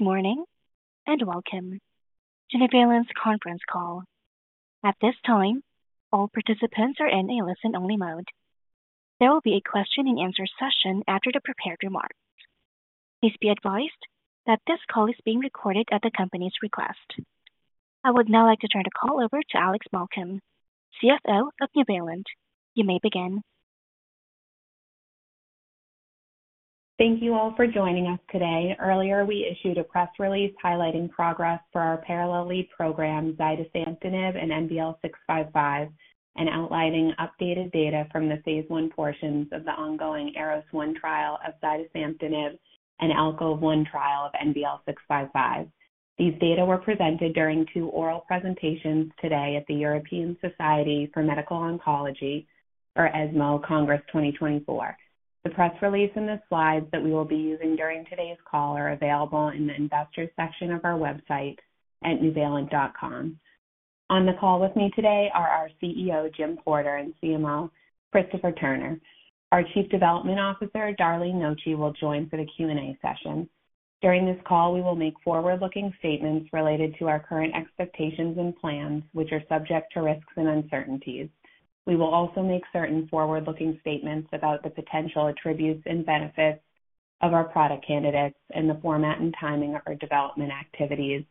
Good morning, and welcome to Nuvalent's Conference Call. At this time, all participants are in a listen-only mode. There will be a question-and-answer session after the prepared remarks. Please be advised that this call is being recorded at the company's request. I would now like to turn the call over to Alexandra Balcom, CFO of Nuvalent. You may begin. Thank you all for joining us today. Earlier, we issued a press release highlighting progress for our parallel lead program, zidesamtinib and NVL-655, and outlining updated data from the phase 1 portions of the ongoing ARROS-1 trial of zidesamtinib and ALCOVE-1 trial of NVL-655. These data were presented during two oral presentations today at the European Society for Medical Oncology, or ESMO Congress 2024. The press release and the slides that we will be using during today's call are available in the investors section of our website at nuvalent.com. On the call with me today are our CEO, Jim Porter, and CMO, Christopher Turner. Our Chief Development Officer, Darlene Noci, will join for the Q&A session. During this call, we will make forward-looking statements related to our current expectations and plans, which are subject to risks and uncertainties. We will also make certain forward-looking statements about the potential attributes and benefits of our product candidates and the format and timing of our development activities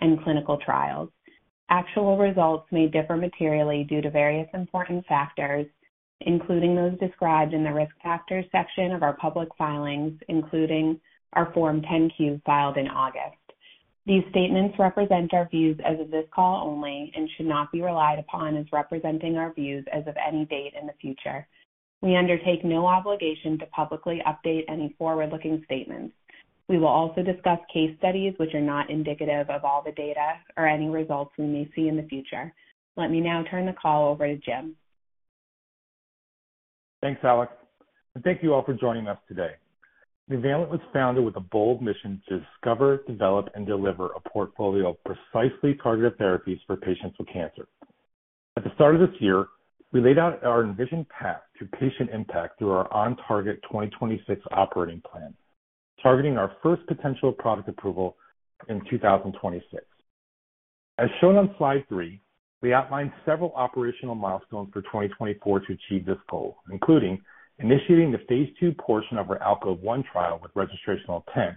and clinical trials. Actual results may differ materially due to various important factors, including those described in the Risk Factors section of our public filings, including our Form 10-Q, filed in August. These statements represent our views as of this call only and should not be relied upon as representing our views as of any date in the future. We undertake no obligation to publicly update any forward-looking statements. We will also discuss case studies which are not indicative of all the data or any results we may see in the future. Let me now turn the call over to Jim. Thanks, Alex, and thank you all for joining us today. Nuvalent was founded with a bold mission to discover, develop, and deliver a portfolio of precisely targeted therapies for patients with cancer. At the start of this year, we laid out our envisioned path to patient impact through our OnTarget 2026 operating plan, targeting our first potential product approval in 2026. As shown on slide 3, we outlined several operational milestones for 2024 to achieve this goal, including initiating the phase 2 portion of our ALCOVE-1 trial with registrational intent,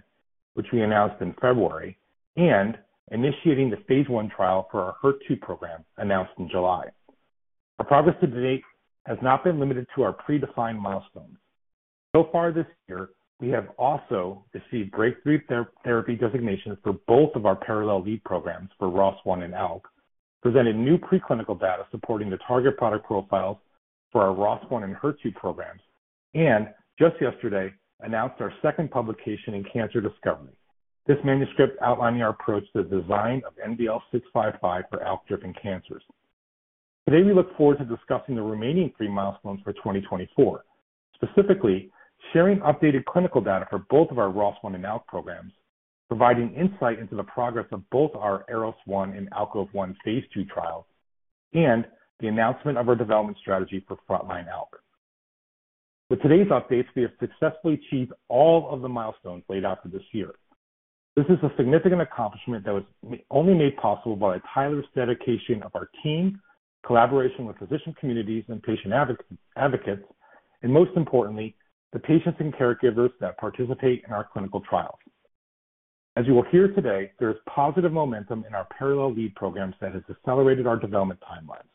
which we announced in February, and initiating the phase 1 trial for our HER2 program, announced in July. Our progress to date has not been limited to our predefined milestones. So far this year, we have also received breakthrough therapy designations for both of our parallel lead programs for ROS1 and ALK, presented new preclinical data supporting the target product profiles for our ROS1 and HER2 programs, and just yesterday announced our second publication in Cancer Discovery. This manuscript outlining our approach to the design of NVL-655 for ALK-driven cancers. Today, we look forward to discussing the remaining three milestones for 2024. Specifically, sharing updated clinical data for both of our ROS1 and ALK programs, providing insight into the progress of both our ARROS-1 and ALCOVE-1 phase 2 trials, and the announcement of our development strategy for frontline ALK. With today's updates, we have successfully achieved all of the milestones laid out for this year. This is a significant accomplishment that was only made possible by the tireless dedication of our team, collaboration with physician communities and patient advocates, and most importantly, the patients and caregivers that participate in our clinical trials. As you will hear today, there is positive momentum in our parallel lead programs that has accelerated our development timelines,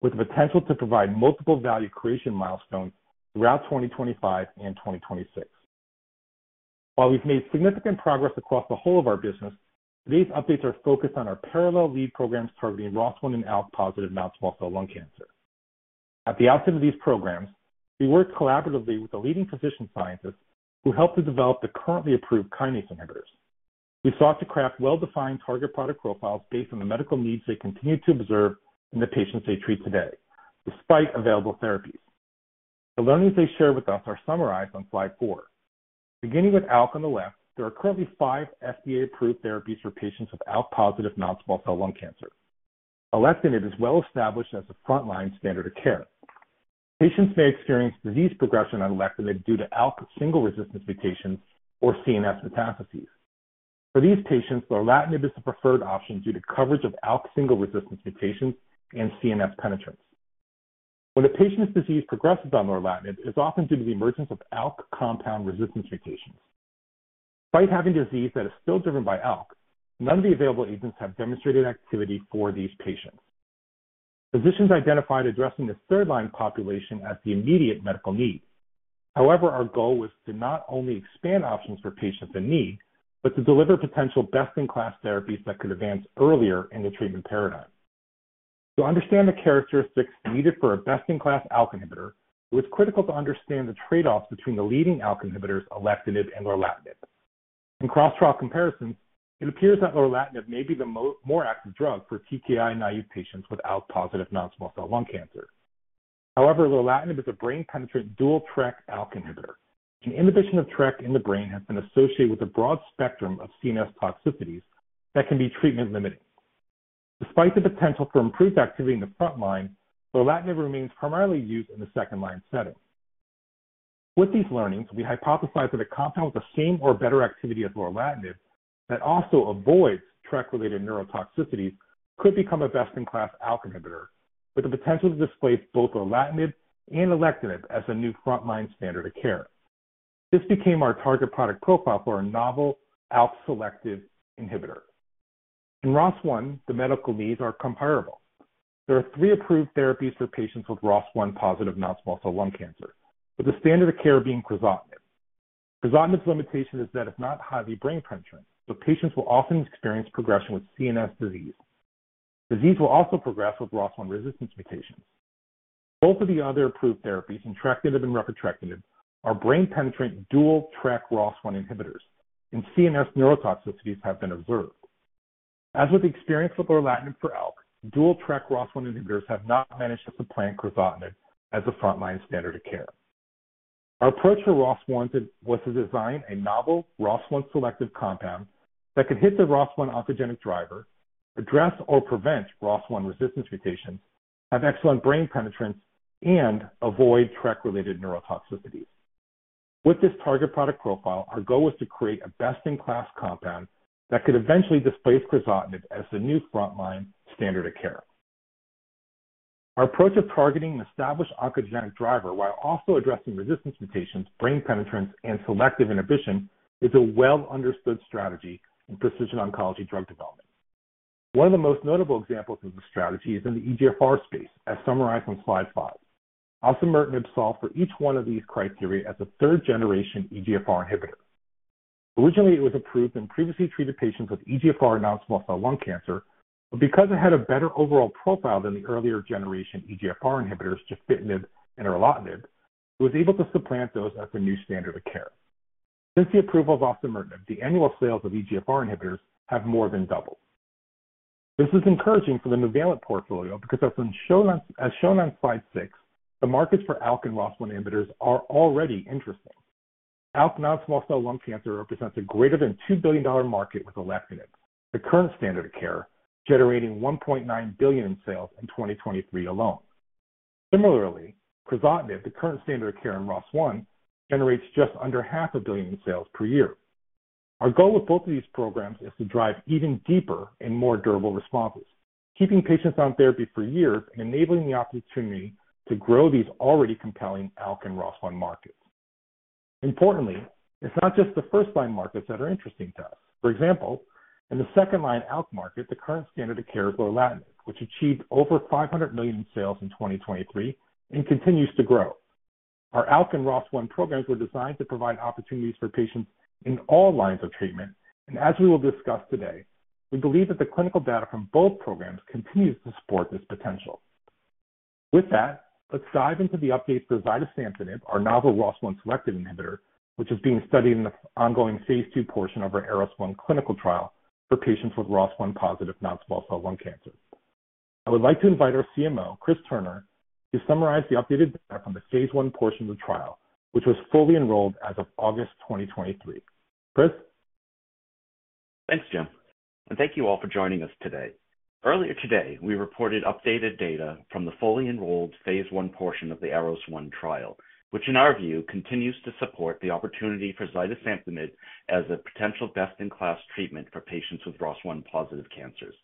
with the potential to provide multiple value creation milestones throughout 2025 and 2026. While we've made significant progress across the whole of our business, these updates are focused on our parallel lead programs targeting ROS1 and ALK-positive non-small cell lung cancer. At the outset of these programs, we worked collaboratively with the leading physician scientists who helped to develop the currently approved kinase inhibitors. We sought to craft well-defined target product profiles based on the medical needs they continue to observe in the patients they treat today, despite available therapies. The learnings they shared with us are summarized on slide four. Beginning with ALK on the left, there are currently five FDA-approved therapies for patients with ALK-positive non-small cell lung cancer. Alectinib is well-established as a frontline standard of care. Patients may experience disease progression on alectinib due to ALK single resistance mutations or CNS metastases. For these patients, lorlatinib is the preferred option due to coverage of ALK single resistance mutations and CNS penetrance. When a patient's disease progresses on lorlatinib, it's often due to the emergence of ALK compound resistance mutations. Despite having disease that is still driven by ALK, none of the available agents have demonstrated activity for these patients. Physicians identified addressing the third-line population as the immediate medical need. However, our goal was to not only expand options for patients in need, but to deliver potential best-in-class therapies that could advance earlier in the treatment paradigm. To understand the characteristics needed for a best-in-class ALK inhibitor, it was critical to understand the trade-offs between the leading ALK inhibitors, alectinib and lorlatinib. In cross-trial comparisons, it appears that lorlatinib may be the more active drug for TKI-naïve patients with ALK-positive non-small cell lung cancer. However, lorlatinib is a brain-penetrant, dual TRK/ALK inhibitor, and inhibition of TRK in the brain has been associated with a broad spectrum of CNS toxicities that can be treatment-limiting. Despite the potential for improved activity in the frontline, lorlatinib remains primarily used in the second-line setting. With these learnings, we hypothesized that a compound with the same or better activity as lorlatinib, that also avoids TRK-related neurotoxicities, could become a best-in-class ALK inhibitor, with the potential to displace both lorlatinib and alectinib as a new frontline standard of care. This became our target product profile for a novel ALK selective inhibitor. In ROS1, the medical needs are comparable. There are three approved therapies for patients with ROS1-positive non-small cell lung cancer, with the standard of care being crizotinib. Crizotinib's limitation is that it's not highly brain-penetrant, so patients will often experience progression with CNS disease. Disease will also progress with ROS1 resistance mutations. Both of the other approved therapies, entrectinib and repotrectinib, are brain-penetrant dual TRK ROS1 inhibitors, and CNS neurotoxicities have been observed. As with experience with lorlatinib for ALK, dual TRK ROS1 inhibitors have not managed to supplant crizotinib as a frontline standard of care. Our approach for ROS1 was to design a novel ROS1 selective compound that could hit the ROS1 oncogenic driver, address or prevent ROS1 resistance mutations, have excellent brain penetrance, and avoid TRK-related neurotoxicities. With this target product profile, our goal was to create a best-in-class compound that could eventually displace crizotinib as the new frontline standard of care. Our approach of targeting an established oncogenic driver while also addressing resistance mutations, brain penetrance, and selective inhibition, is a well-understood strategy in precision oncology drug development. One of the most notable examples of this strategy is in the EGFR space, as summarized on slide five. Osimertinib solved for each one of these criteria as a third-generation EGFR inhibitor. Originally, it was approved in previously treated patients with EGFR non-small cell lung cancer, but because it had a better overall profile than the earlier generation EGFR inhibitors, gefitinib and erlotinib, it was able to supplant those as the new standard of care. Since the approval of osimertinib, the annual sales of EGFR inhibitors have more than doubled. This is encouraging for the Nuvalent portfolio because as shown on slide six, the markets for ALK and ROS1 inhibitors are already interesting. ALK non-small cell lung cancer represents a greater than $2 billion market, with alectinib, the current standard of care, generating $1.9 billion in sales in 2023 alone. Similarly, crizotinib, the current standard of care in ROS1, generates just under $500 million in sales per year. Our goal with both of these programs is to drive even deeper and more durable responses, keeping patients on therapy for years and enabling the opportunity to grow these already compelling ALK and ROS1 markets. Importantly, it's not just the first-line markets that are interesting to us. For example, in the second-line ALK market, the current standard of care is lorlatinib, which achieved over $500 million in sales in 2023 and continues to grow. Our ALK and ROS1 programs were designed to provide opportunities for patients in all lines of treatment. And as we will discuss today, we believe that the clinical data from both programs continues to support this potential. With that, let's dive into the updates for zidesamtinib, our novel ROS1 selective inhibitor, which is being studied in the ongoing phase 2 portion of our ARROS-1 clinical trial for patients with ROS1-positive non-small cell lung cancer. I would like to invite our CMO, Chris Turner, to summarize the updated data from the phase one portion of the trial, which was fully enrolled as of August 2023. Chris? Thanks, Jim, and thank you all for joining us today. Earlier today, we reported updated data from the fully enrolled phase 1 portion of the ARROS-1 trial, which in our view, continues to support the opportunity for zidesamtinib as a potential best-in-class treatment for patients with ROS1-positive cancers.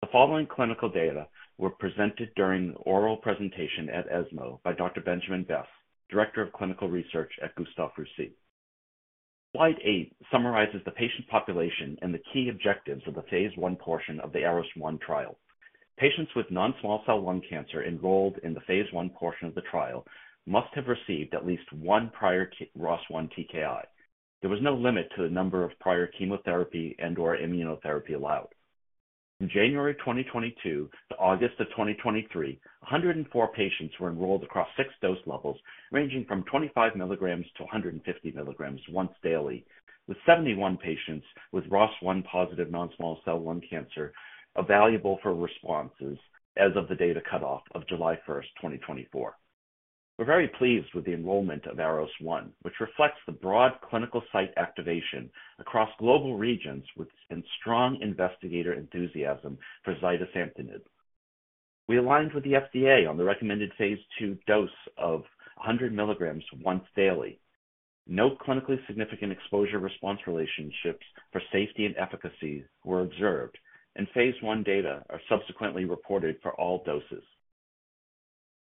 The following clinical data were presented during oral presentation at ESMO by Dr. Benjamin Besse, Director of Clinical Research at Gustave Roussy. Slide eight summarizes the patient population and the key objectives of the phase 1 portion of the ARROS-1 trial. Patients with non-small cell lung cancer enrolled in the phase 1 portion of the trial must have received at least one prior ROS1 TKI. There was no limit to the number of prior chemotherapy and/or immunotherapy allowed. From January 2022 to August of 2023, 104 patients were enrolled across 6 dose levels, ranging from 25 milligrams to 150 milligrams once daily, with 71 patients with ROS1-positive non-small cell lung cancer evaluable for responses as of the data cutoff of July 1, 2024. We're very pleased with the enrollment of ARROS-1, which reflects the broad clinical site activation across global regions with strong investigator enthusiasm for zidesamtinib. We aligned with the FDA on the recommended phase 2 dose of 100 milligrams once daily. No clinically significant exposure response relationships for safety and efficacy were observed, and phase 1 data are subsequently reported for all doses.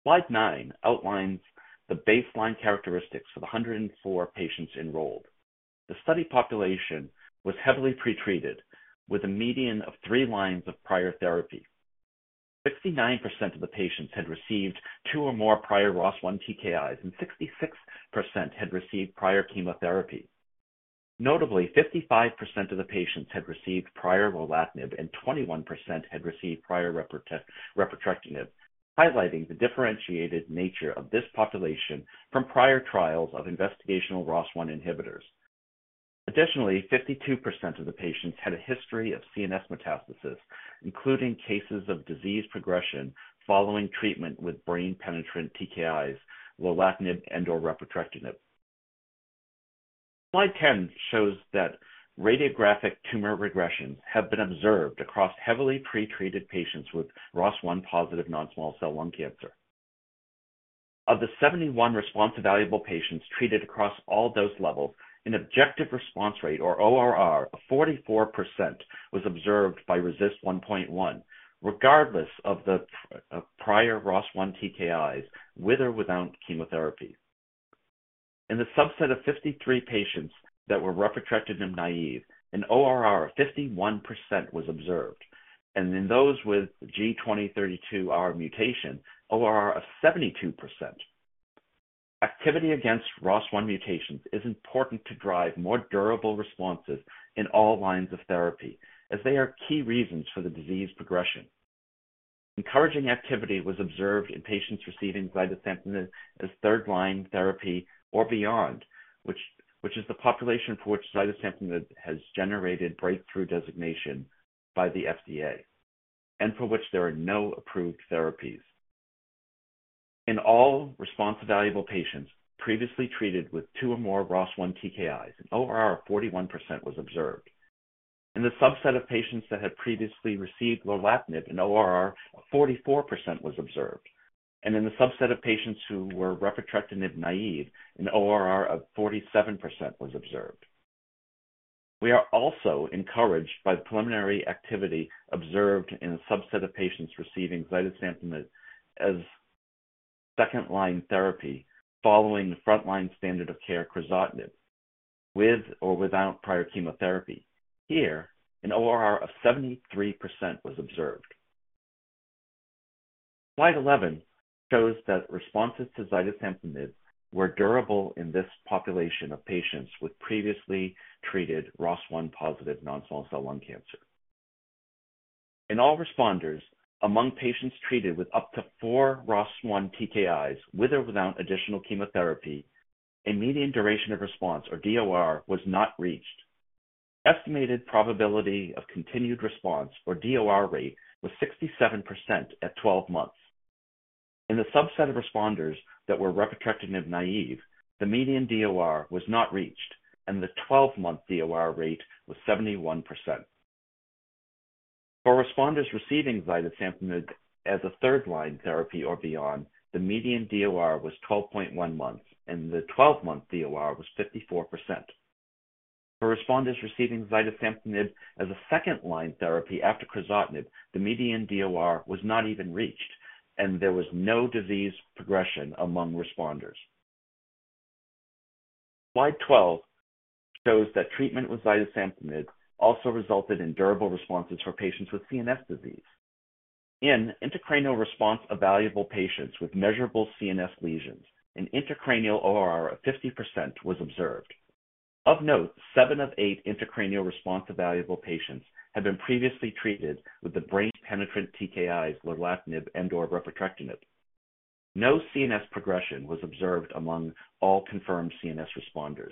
Slide 9 outlines the baseline characteristics of the 104 patients enrolled. The study population was heavily pretreated with a median of 3 lines of prior therapy. 69% of the patients had received two or more prior ROS1 TKIs, and 66% had received prior chemotherapy. Notably, 55% of the patients had received prior lorlatinib, and 21% had received prior repotrectinib, highlighting the differentiated nature of this population from prior trials of investigational ROS1 inhibitors. Additionally, 52% of the patients had a history of CNS metastasis, including cases of disease progression following treatment with brain-penetrant TKIs, lorlatinib and/or repotrectinib. Slide 10 shows that radiographic tumor regressions have been observed across heavily pre-treated patients with ROS1-positive non-small cell lung cancer. Of the 71 response evaluable patients treated across all dose levels, an objective response rate, or ORR, of 44% was observed by RECIST 1.1, regardless of prior ROS1 TKIs, with or without chemotherapy. In the subset of 53 patients that were refractory and naive, an ORR of 51% was observed, and in those with G2032R mutation, ORR of 72%. Activity against ROS1 mutations is important to drive more durable responses in all lines of therapy, as they are key reasons for the disease progression. Encouraging activity was observed in patients receiving zidesamtinib as third-line therapy or beyond, which is the population for which zidesamtinib has generated breakthrough designation by the FDA and for which there are no approved therapies. In all response evaluable patients previously treated with two or more ROS1 TKIs, an ORR of 41% was observed. In the subset of patients that had previously received lorlatinib, an ORR of 44% was observed, and in the subset of patients who were refractory naive, an ORR of 47% was observed. We are also encouraged by the preliminary activity observed in a subset of patients receiving zidesamtinib as second-line therapy following the frontline standard of care, crizotinib, with or without prior chemotherapy. Here, an ORR of 73% was observed. Slide 11 shows that responses to zidesamtinib were durable in this population of patients with previously treated ROS1-positive non-small cell lung cancer. In all responders, among patients treated with up to four ROS1 TKIs, with or without additional chemotherapy, a median duration of response, or DOR, was not reached. Estimated probability of continued response, or DOR rate, was 67% at 12 months. In the subset of responders that were refractory naive, the median DOR was not reached, and the 12-month DOR rate was 71%. For responders receiving zidesamtinib as a third-line therapy or beyond, the median DOR was 12.1 months, and the 12-month DOR was 54%. For responders receiving zidesamtinib as a second-line therapy after crizotinib, the median DOR was not even reached, and there was no disease progression among responders. Slide 12 shows that treatment with zidesamtinib also resulted in durable responses for patients with CNS disease. In intracranial response evaluable patients with measurable CNS lesions, an intracranial ORR of 50% was observed. Of note, seven of eight intracranial response evaluable patients had been previously treated with the brain-penetrant TKIs, lorlatinib and/or entrectinib. No CNS progression was observed among all confirmed CNS responders.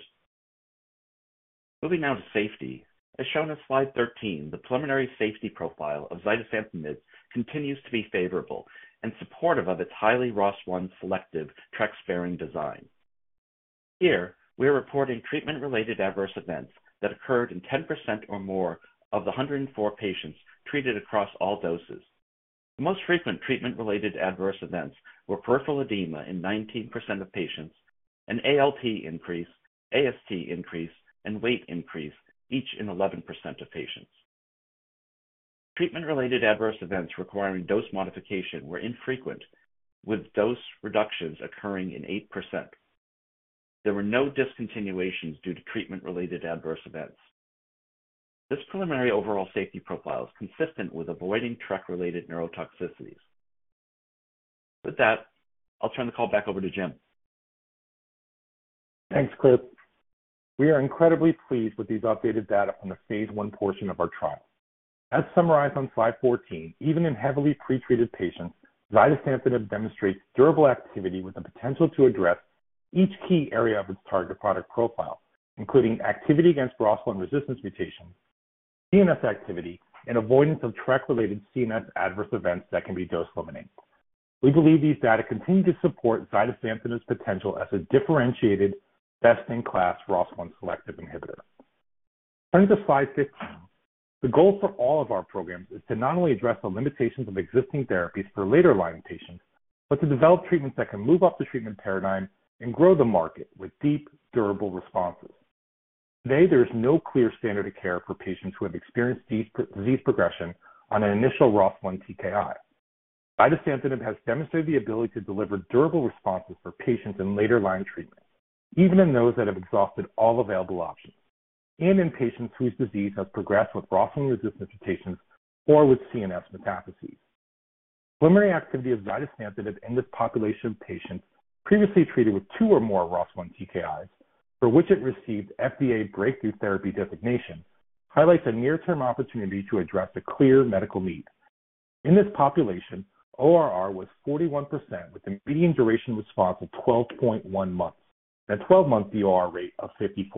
Moving now to safety. As shown on slide 13, the preliminary safety profile of zidesamtinib continues to be favorable and supportive of its highly ROS1 selective TRK-sparing design. Here, we are reporting treatment-related adverse events that occurred in 10% or more of the 104 patients treated across all doses. The most frequent treatment-related adverse events were peripheral edema in 19% of patients, an ALT increase, AST increase, and weight increase, each in 11% of patients. Treatment-related adverse events requiring dose modification were infrequent, with dose reductions occurring in 8%. There were no discontinuations due to treatment-related adverse events. This preliminary overall safety profile is consistent with avoiding TRK-related neurotoxicities. With that, I'll turn the call back over to Jim. Thanks, Chris. We are incredibly pleased with these updated data on the phase one portion of our trial. As summarized on slide fourteen, even in heavily pre-treated patients, zidesamtinib demonstrates durable activity with the potential to address each key area of its target product profile, including activity against ROS1 resistance mutations, CNS activity, and avoidance of TRK-related CNS adverse events that can be dose limiting. We believe these data continue to support zidesamtinib's potential as a differentiated, best-in-class ROS1 selective inhibitor. Turning to slide fifteen, the goal for all of our programs is to not only address the limitations of existing therapies for later-line patients, but to develop treatments that can move up the treatment paradigm and grow the market with deep, durable responses. Today, there is no clear standard of care for patients who have experienced disease progression on an initial ROS1 TKI. Zidesamtinib has demonstrated the ability to deliver durable responses for patients in later-line treatment, even in those that have exhausted all available options and in patients whose disease has progressed with ROS1-resistant mutations or with CNS metastases. Preliminary activity of zidesamtinib in this population of patients previously treated with two or more ROS1 TKIs, for which it received FDA breakthrough therapy designation, highlights a near-term opportunity to address a clear medical need. In this population, ORR was 41%, with a median duration response of 12.1 months and a 12-month DOR rate of 54%....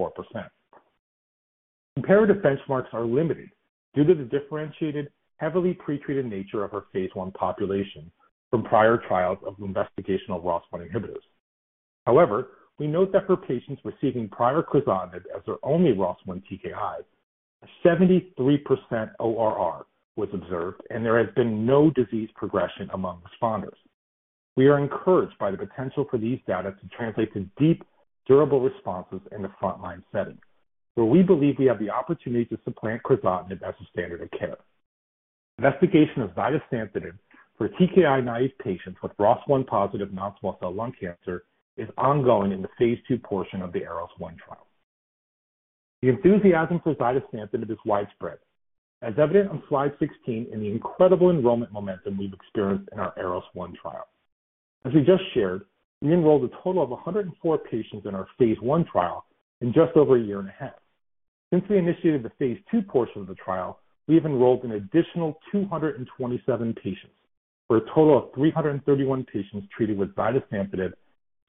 comparative benchmarks are limited due to the differentiated, heavily pretreated nature of our phase I population from prior trials of investigational ROS1 inhibitors. However, we note that for patients receiving prior crizotinib as their only ROS1 TKI, a 73% ORR was observed, and there has been no disease progression among responders. We are encouraged by the potential for these data to translate to deep, durable responses in the front-line setting, where we believe we have the opportunity to supplant crizotinib as the standard of care. Investigation of zidesamtinib for TKI-naive patients with ROS1-positive non-small cell lung cancer is ongoing in the phase 2 portion of the ARROS-1 trial. The enthusiasm for zidesamtinib is widespread, as evident on slide 16 in the incredible enrollment momentum we've experienced in our ARROS-1 trial. As we just shared, we enrolled a total of 104 patients in our phase 1 trial in just over a year and a half. Since we initiated the phase 2 portion of the trial, we've enrolled an additional 227 patients, for a total of 331 patients treated with zidesamtinib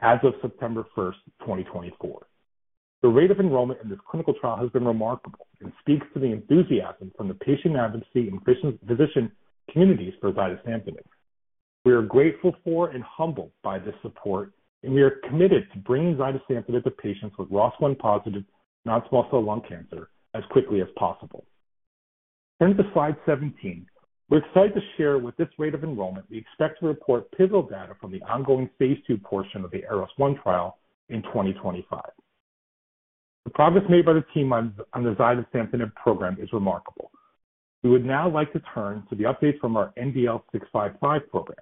as of September first, 2024. The rate of enrollment in this clinical trial has been remarkable and speaks to the enthusiasm from the patient advocacy and patients, physician communities for zidesamtinib. We are grateful for and humbled by this support, and we are committed to bringing zidesamtinib to patients with ROS1-positive non-small cell lung cancer as quickly as possible. Turning to slide seventeen, we're excited to share with this rate of enrollment, we expect to report pivotal data from the ongoing phase 2 portion of the ARROS-1 trial in twenty twenty-five. The progress made by the team on the zidesamtinib program is remarkable. We would now like to turn to the update from our NVL-655 program.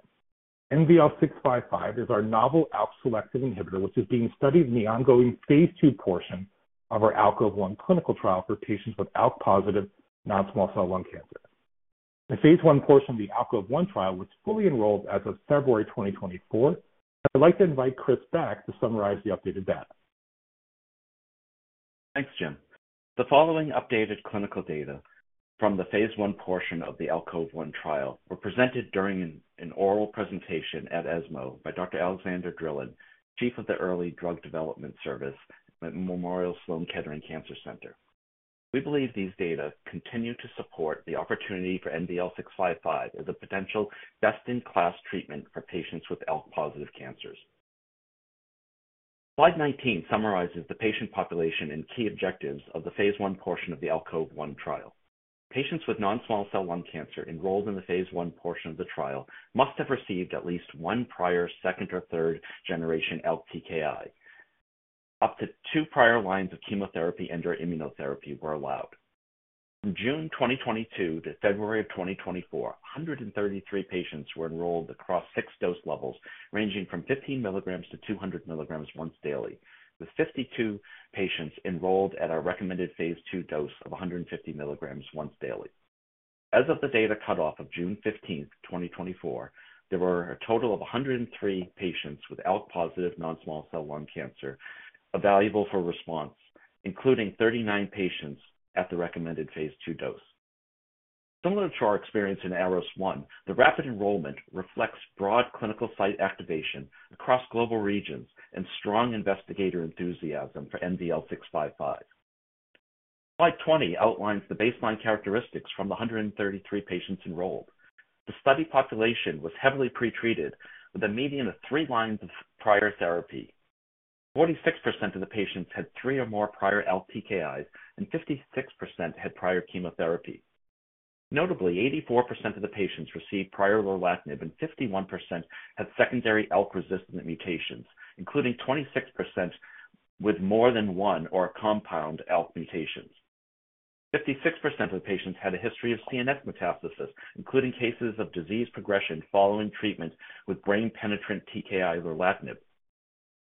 NVL-655 is our novel ALK-selective inhibitor, which is being studied in the ongoing phase 2 portion of our ALCOVE-1 clinical trial for patients with ALK-positive non-small cell lung cancer. The phase I portion of the ALCOVE-1 trial was fully enrolled as of February twenty twenty-four, and I'd like to invite Chris back to summarize the updated data. Thanks, Jim. The following updated clinical data from the phase 1 portion of the ALCOVE-1 trial were presented during an oral presentation at ESMO by Dr. Alexander Drilon, Chief of the Early Drug Development Service at Memorial Sloan Kettering Cancer Center. We believe these data continue to support the opportunity for NVL-655 as a potential best-in-class treatment for patients with ALK-positive cancers. Slide 19 summarizes the patient population and key objectives of the phase 1 portion of the ALCOVE-1 trial. Patients with non-small cell lung cancer enrolled in the phase 1 portion of the trial must have received at least one prior second or third generation ALK TKI. Up to two prior lines of chemotherapy and/or immunotherapy were allowed. From June 2022 to February 2024, 133 patients were enrolled across six dose levels, ranging from 15 milligrams to 200 milligrams once daily, with 52 patients enrolled at our recommended phase II dose of 150 milligrams once daily. As of the data cutoff of June 15, 2024, there were a total of 103 patients with ALK-positive non-small cell lung cancer evaluable for response, including 39 patients at the recommended phase II dose. Similar to our experience in ARROS-1, the rapid enrollment reflects broad clinical site activation across global regions and strong investigator enthusiasm for NVL-655. Slide 20 outlines the baseline characteristics from the 133 patients enrolled. The study population was heavily pretreated with a median of three lines of prior therapy. 46% of the patients had three or more prior ALK TKIs, and 56% had prior chemotherapy. Notably, 84% of the patients received prior lorlatinib, and 51% had secondary ALK-resistant mutations, including 26% with more than one or compound ALK mutations. 56% of the patients had a history of CNS metastasis, including cases of disease progression following treatment with brain-penetrant TKI lorlatinib.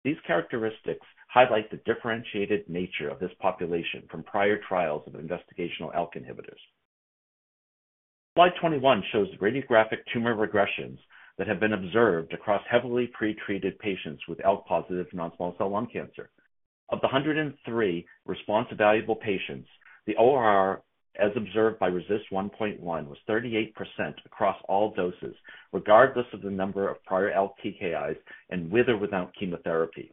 These characteristics highlight the differentiated nature of this population from prior trials of investigational ALK inhibitors. Slide 21 shows the radiographic tumor regressions that have been observed across heavily pretreated patients with ALK-positive non-small cell lung cancer. Of the 103 response evaluable patients, the ORR, as observed by RECIST 1.1, was 38% across all doses, regardless of the number of prior ALK TKIs and with or without chemotherapy.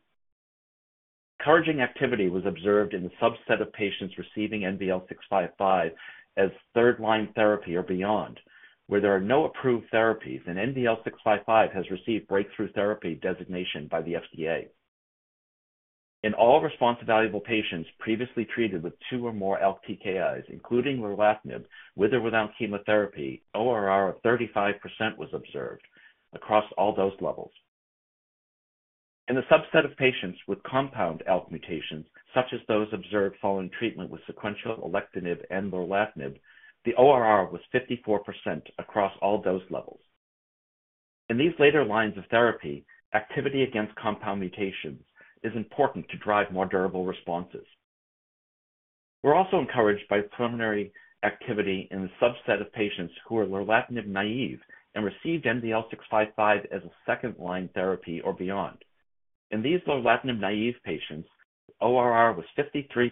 Encouraging activity was observed in the subset of patients receiving NVL-655 as third-line therapy or beyond, where there are no approved therapies, and NVL-655 has received breakthrough therapy designation by the FDA. In all response evaluable patients previously treated with two or more ALK TKIs, including lorlatinib, with or without chemotherapy, ORR of 35% was observed across all dose levels. In the subset of patients with compound ALK mutations, such as those observed following treatment with sequential alectinib and lorlatinib, the ORR was 54% across all dose levels. In these later lines of therapy, activity against compound mutations is important to drive more durable responses. We're also encouraged by preliminary activity in the subset of patients who are lorlatinib naive and received NVL-655 as a second-line therapy or beyond. In these lorlatinib-naive patients, ORR was 53%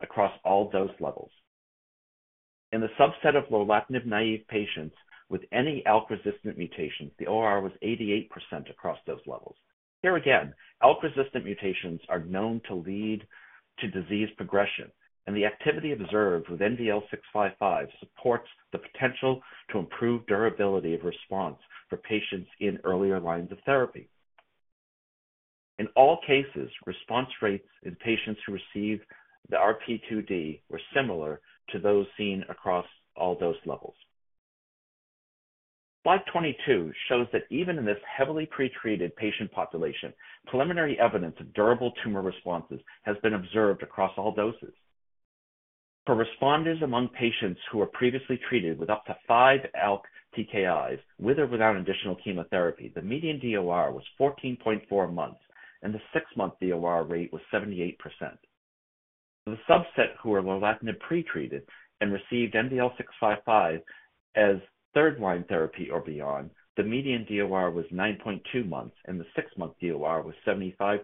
across all dose levels. In the subset of lorlatinib-naive patients with any ALK-resistant mutations, the ORR was 88% across those levels. Here again, ALK-resistant mutations are known to lead to disease progression, and the activity observed with NVL-655 supports the potential to improve durability of response for patients in earlier lines of therapy. In all cases, response rates in patients who received the RP2D were similar to those seen across all dose levels. Slide 22 shows that even in this heavily pretreated patient population, preliminary evidence of durable tumor responses has been observed across all doses. For responders among patients who were previously treated with up to five ALK TKIs, with or without additional chemotherapy, the median DOR was 14.4 months, and the six-month DOR rate was 78%. The subset who were lorlatinib pretreated and received NVL-655 as third-line therapy or beyond, the median DOR was 9.2 months, and the six-month DOR was 75%.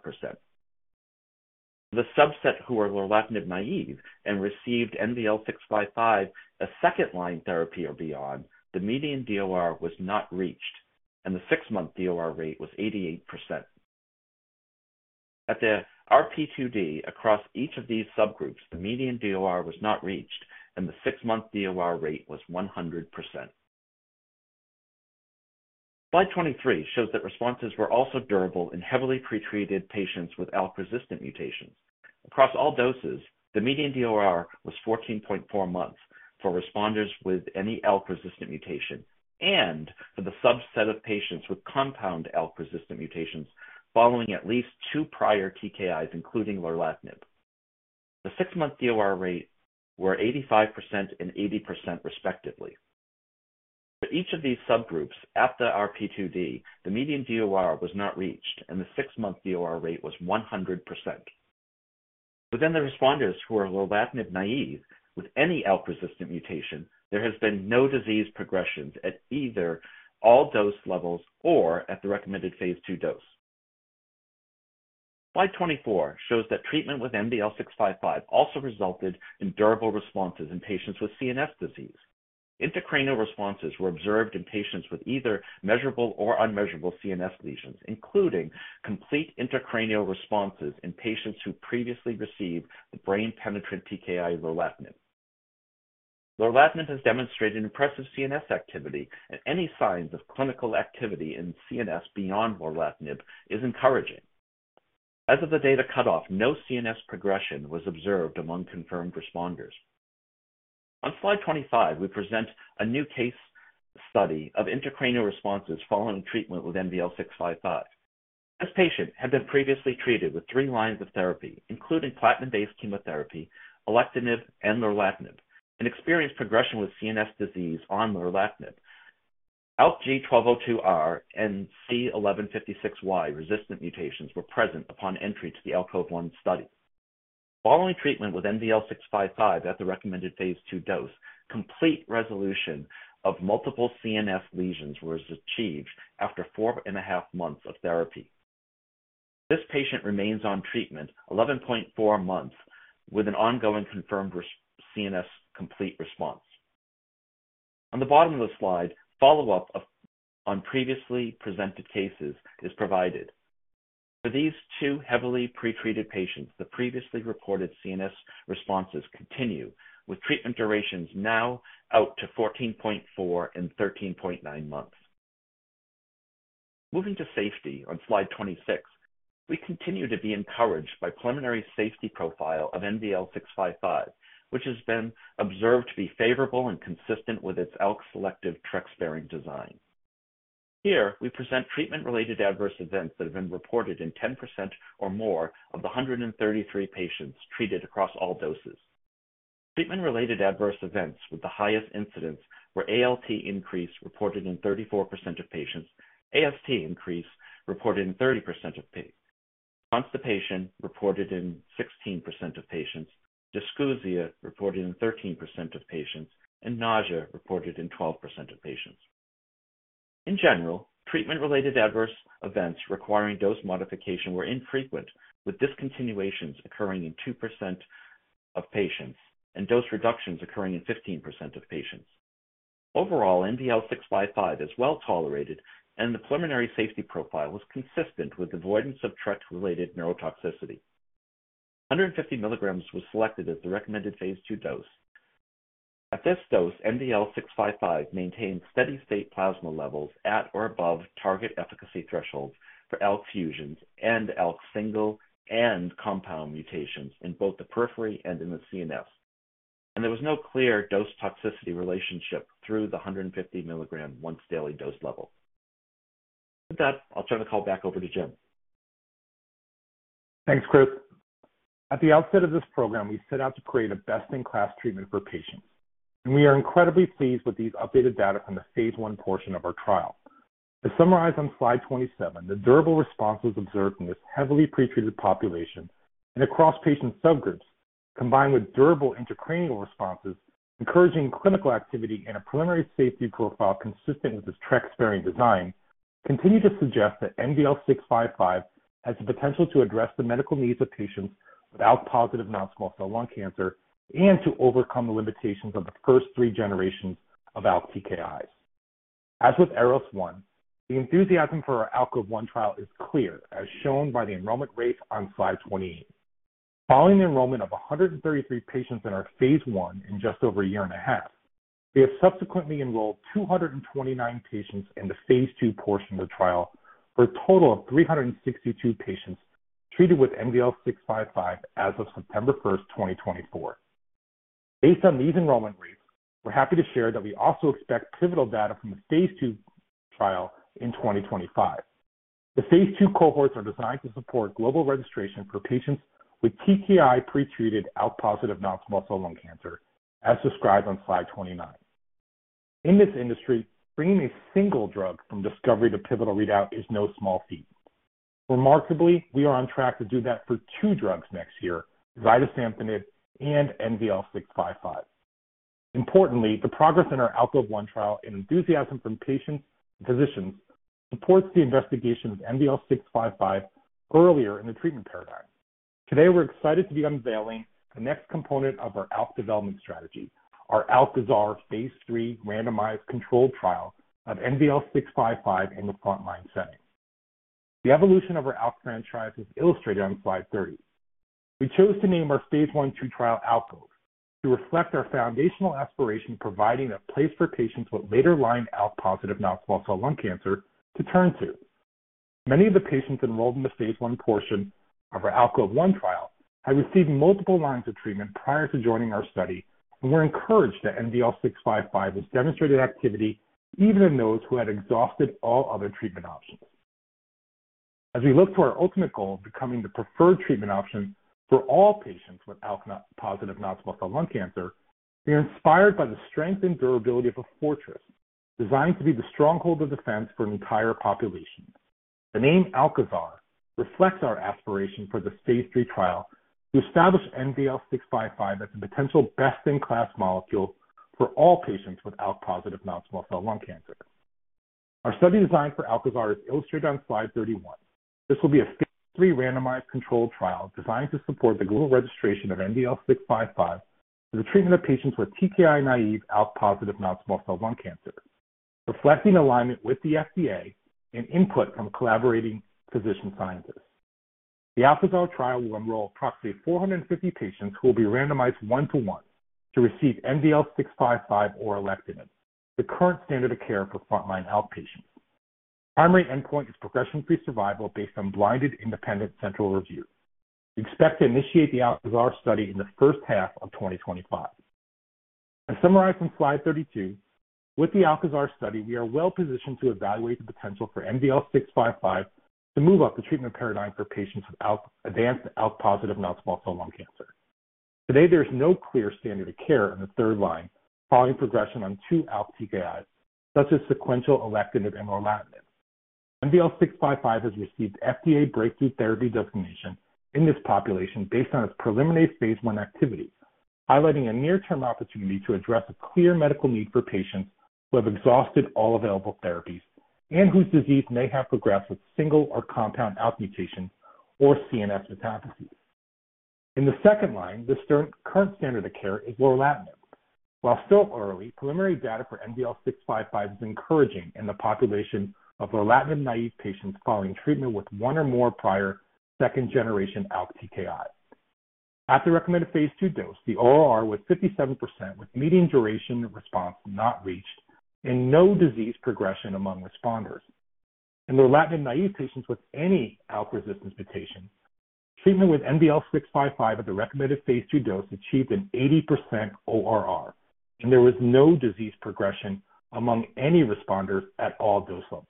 The subset who were lorlatinib naive and received NVL-655 as second-line therapy or beyond, the median DOR was not reached, and the six-month DOR rate was 88%. At the RP2D across each of these subgroups, the median DOR was not reached, and the six-month DOR rate was 100%. Slide 23 shows that responses were also durable in heavily pretreated patients with ALK-resistant mutations. Across all doses, the median DOR was 14.4 months for responders with any ALK-resistant mutation and for the subset of patients with compound ALK-resistant mutations following at least two prior TKIs, including lorlatinib. The six-month DOR rates were 85% and 80%, respectively. For each of these subgroups, at the RP2D, the median DOR was not reached, and the six-month DOR rate was 100%. Within the responders who are lorlatinib naive with any ALK-resistant mutation, there has been no disease progressions at either all dose levels or at the recommended phase two dose. Slide 24 shows that treatment with NVL-655 also resulted in durable responses in patients with CNS disease. Intracranial responses were observed in patients with either measurable or unmeasurable CNS lesions, including complete intracranial responses in patients who previously received the brain-penetrant TKI lorlatinib. Lorlatinib has demonstrated impressive CNS activity, and any signs of clinical activity in CNS beyond lorlatinib is encouraging. As of the data cutoff, no CNS progression was observed among confirmed responders. On slide 25, we present a new case study of intracranial responses following treatment with NVL-655. This patient had been previously treated with three lines of therapy, including platinum-based chemotherapy, alectinib, and lorlatinib, and experienced progression with CNS disease on lorlatinib. ALK G1202R and C1156Y resistant mutations were present upon entry to the ALCOVE-1 study. Following treatment with NVL-655 at the recommended phase 2 dose, complete resolution of multiple CNS lesions was achieved after four and a half months of therapy. This patient remains on treatment 11.4 months, with an ongoing confirmed response, CNS complete response. On the bottom of the slide, follow-up on previously presented cases is provided. For these two heavily pretreated patients, the previously reported CNS responses continue, with treatment durations now out to 14.4 and 13.9 months. Moving to safety on slide 26, we continue to be encouraged by preliminary safety profile of NVL-655, which has been observed to be favorable and consistent with its ALK selective TRK-sparing design. Here, we present treatment-related adverse events that have been reported in 10% or more of the 133 patients treated across all doses. Treatment-related adverse events with the highest incidence were ALT increase, reported in 34% of patients, AST increase, reported in 30% of patients, constipation, reported in 16% of patients, dysgeusia, reported in 13% of patients, and nausea, reported in 12% of patients. In general, treatment-related adverse events requiring dose modification were infrequent, with discontinuations occurring in 2% of patients and dose reductions occurring in 15% of patients. Overall, NVL-655 is well-tolerated, and the preliminary safety profile was consistent with avoidance of TRK-related neurotoxicity. 150 milligrams was selected as the recommended phase 2 dose. At this dose, NVL-655 maintained steady state plasma levels at or above target efficacy thresholds for ALK fusions and ALK single and compound mutations in both the periphery and in the CNS, and there was no clear dose toxicity relationship through the 150 milligram once daily dose level. With that, I'll turn the call back over to Jim. Thanks, Chris. At the outset of this program, we set out to create a best-in-class treatment for patients, and we are incredibly pleased with these updated data from the phase 1 portion of our trial. To summarize on slide 27, the durable responses observed in this heavily pretreated population and across patient subgroups, combined with durable intracranial responses, encouraging clinical activity, and a preliminary safety profile consistent with this TRK-sparing design, continue to suggest that NVL-655 has the potential to address the medical needs of patients with ALK-positive non-small cell lung cancer and to overcome the limitations of the first three generations of ALK TKIs. As with ARROS-1, the enthusiasm for our ALCOVE-1 trial is clear, as shown by the enrollment rates on slide 28. Following the enrollment of 133 patients in our phase 1 in just over a year and a half, we have subsequently enrolled 229 patients in the phase 2 portion of the trial, for a total of 362 patients treated with NVL-655 as of September 1, 2024. Based on these enrollment rates, we're happy to share that we also expect pivotal data from the phase 2 trial in 2025. The phase 2 cohorts are designed to support global registration for patients with TKI pretreated ALK-positive non-small cell lung cancer, as described on slide 29. In this industry, bringing a single drug from discovery to pivotal readout is no small feat. Remarkably, we are on track to do that for two drugs next year, zidesamtinib and NVL-655. Importantly, the progress in our ALCOVE-1 trial and enthusiasm from patients and physicians supports the investigation of NVL-655 earlier in the treatment paradigm. Today, we're excited to be unveiling the next component of our ALK development strategy, our ALCAZAR phase 3 randomized controlled trial of NVL-655 in the frontline setting. The evolution of our ALK franchise is illustrated on slide 30. We chose to name our phase 1/2 trial ALCOVE to reflect our foundational aspiration, providing a place for patients with later-line ALK-positive non-small cell lung cancer to turn to. Many of the patients enrolled in the phase 1 portion of our ALCOVE-1 trial had received multiple lines of treatment prior to joining our study, and we're encouraged that NVL-655 has demonstrated activity even in those who had exhausted all other treatment options. As we look to our ultimate goal of becoming the preferred treatment option for all patients with ALK-positive non-small cell lung cancer, we are inspired by the strength and durability of a fortress, designed to be the stronghold of defense for an entire population. The name ALCAZAR reflects our aspiration for the phase 3 trial to establish NVL-655 as a potential best-in-class molecule for all patients with ALK-positive non-small cell lung cancer. Our study design for ALCAZAR is illustrated on slide 31. This will be a phase 3 randomized controlled trial designed to support the global registration of NVL-655 for the treatment of patients with TKI-naive, ALK-positive non-small cell lung cancer, reflecting alignment with the FDA and input from collaborating physician scientists. The ALCAZAR trial will enroll approximately 450 patients who will be randomized 1 to 1 to receive NVL-655 or alectinib, the current standard of care for frontline ALK patients. Primary endpoint is progression-free survival based on blinded independent central review. We expect to initiate the ALCAZAR study in the first half of 2025. As summarized on slide 32, with the ALCAZAR study, we are well positioned to evaluate the potential for NVL-655 to move up the treatment paradigm for patients with ALK-advanced ALK-positive non-small cell lung cancer. Today, there is no clear standard of care in the third line following progression on two ALK TKIs, such as sequential alectinib or lorlatinib. NVL-655 has received FDA breakthrough therapy designation in this population based on its preliminary phase one activity, highlighting a near-term opportunity to address a clear medical need for patients who have exhausted all available therapies and whose disease may have progressed with single or compound ALK mutations or CNS metastases. In the second line, the current standard of care is lorlatinib. While still early, preliminary data for NVL-655 is encouraging in the population of lorlatinib naive patients following treatment with one or more prior second-generation ALK TKI. At the recommended phase two dose, the ORR was 57%, with median duration of response not reached and no disease progression among responders. In lorlatinib-naïve patients with any ALK resistance mutation, treatment with NVL-655 at the recommended phase 2 dose achieved an 80% ORR, and there was no disease progression among any responders at all dose levels.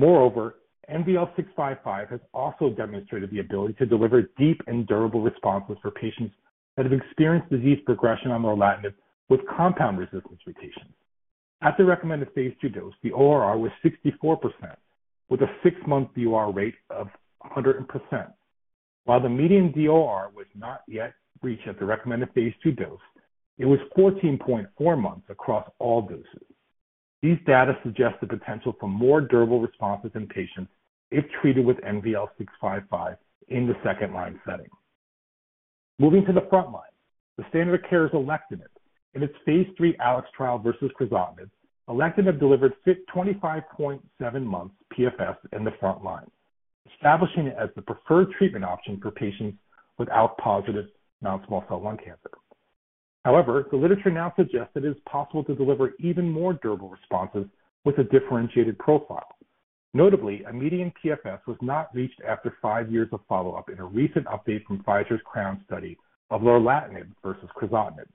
Moreover, NVL-655 has also demonstrated the ability to deliver deep and durable responses for patients that have experienced disease progression on lorlatinib with compound resistance mutations. At the recommended phase 2 dose, the ORR was 64%, with a six-month DOR rate of 100%. While the median DOR was not yet reached at the recommended phase 2 dose, it was 14.4 months across all doses. These data suggest the potential for more durable responses in patients if treated with NVL-655 in the second-line setting. Moving to the frontline, the standard of care is alectinib. In its phase 3 ALEX trial versus crizotinib, alectinib delivered 25.7 months PFS in the frontline, establishing it as the preferred treatment option for patients with ALK-positive non-small cell lung cancer. However, the literature now suggests that it is possible to deliver even more durable responses with a differentiated profile. Notably, a median PFS was not reached after five years of follow-up in a recent update from Pfizer's CROWN study of lorlatinib versus crizotinib.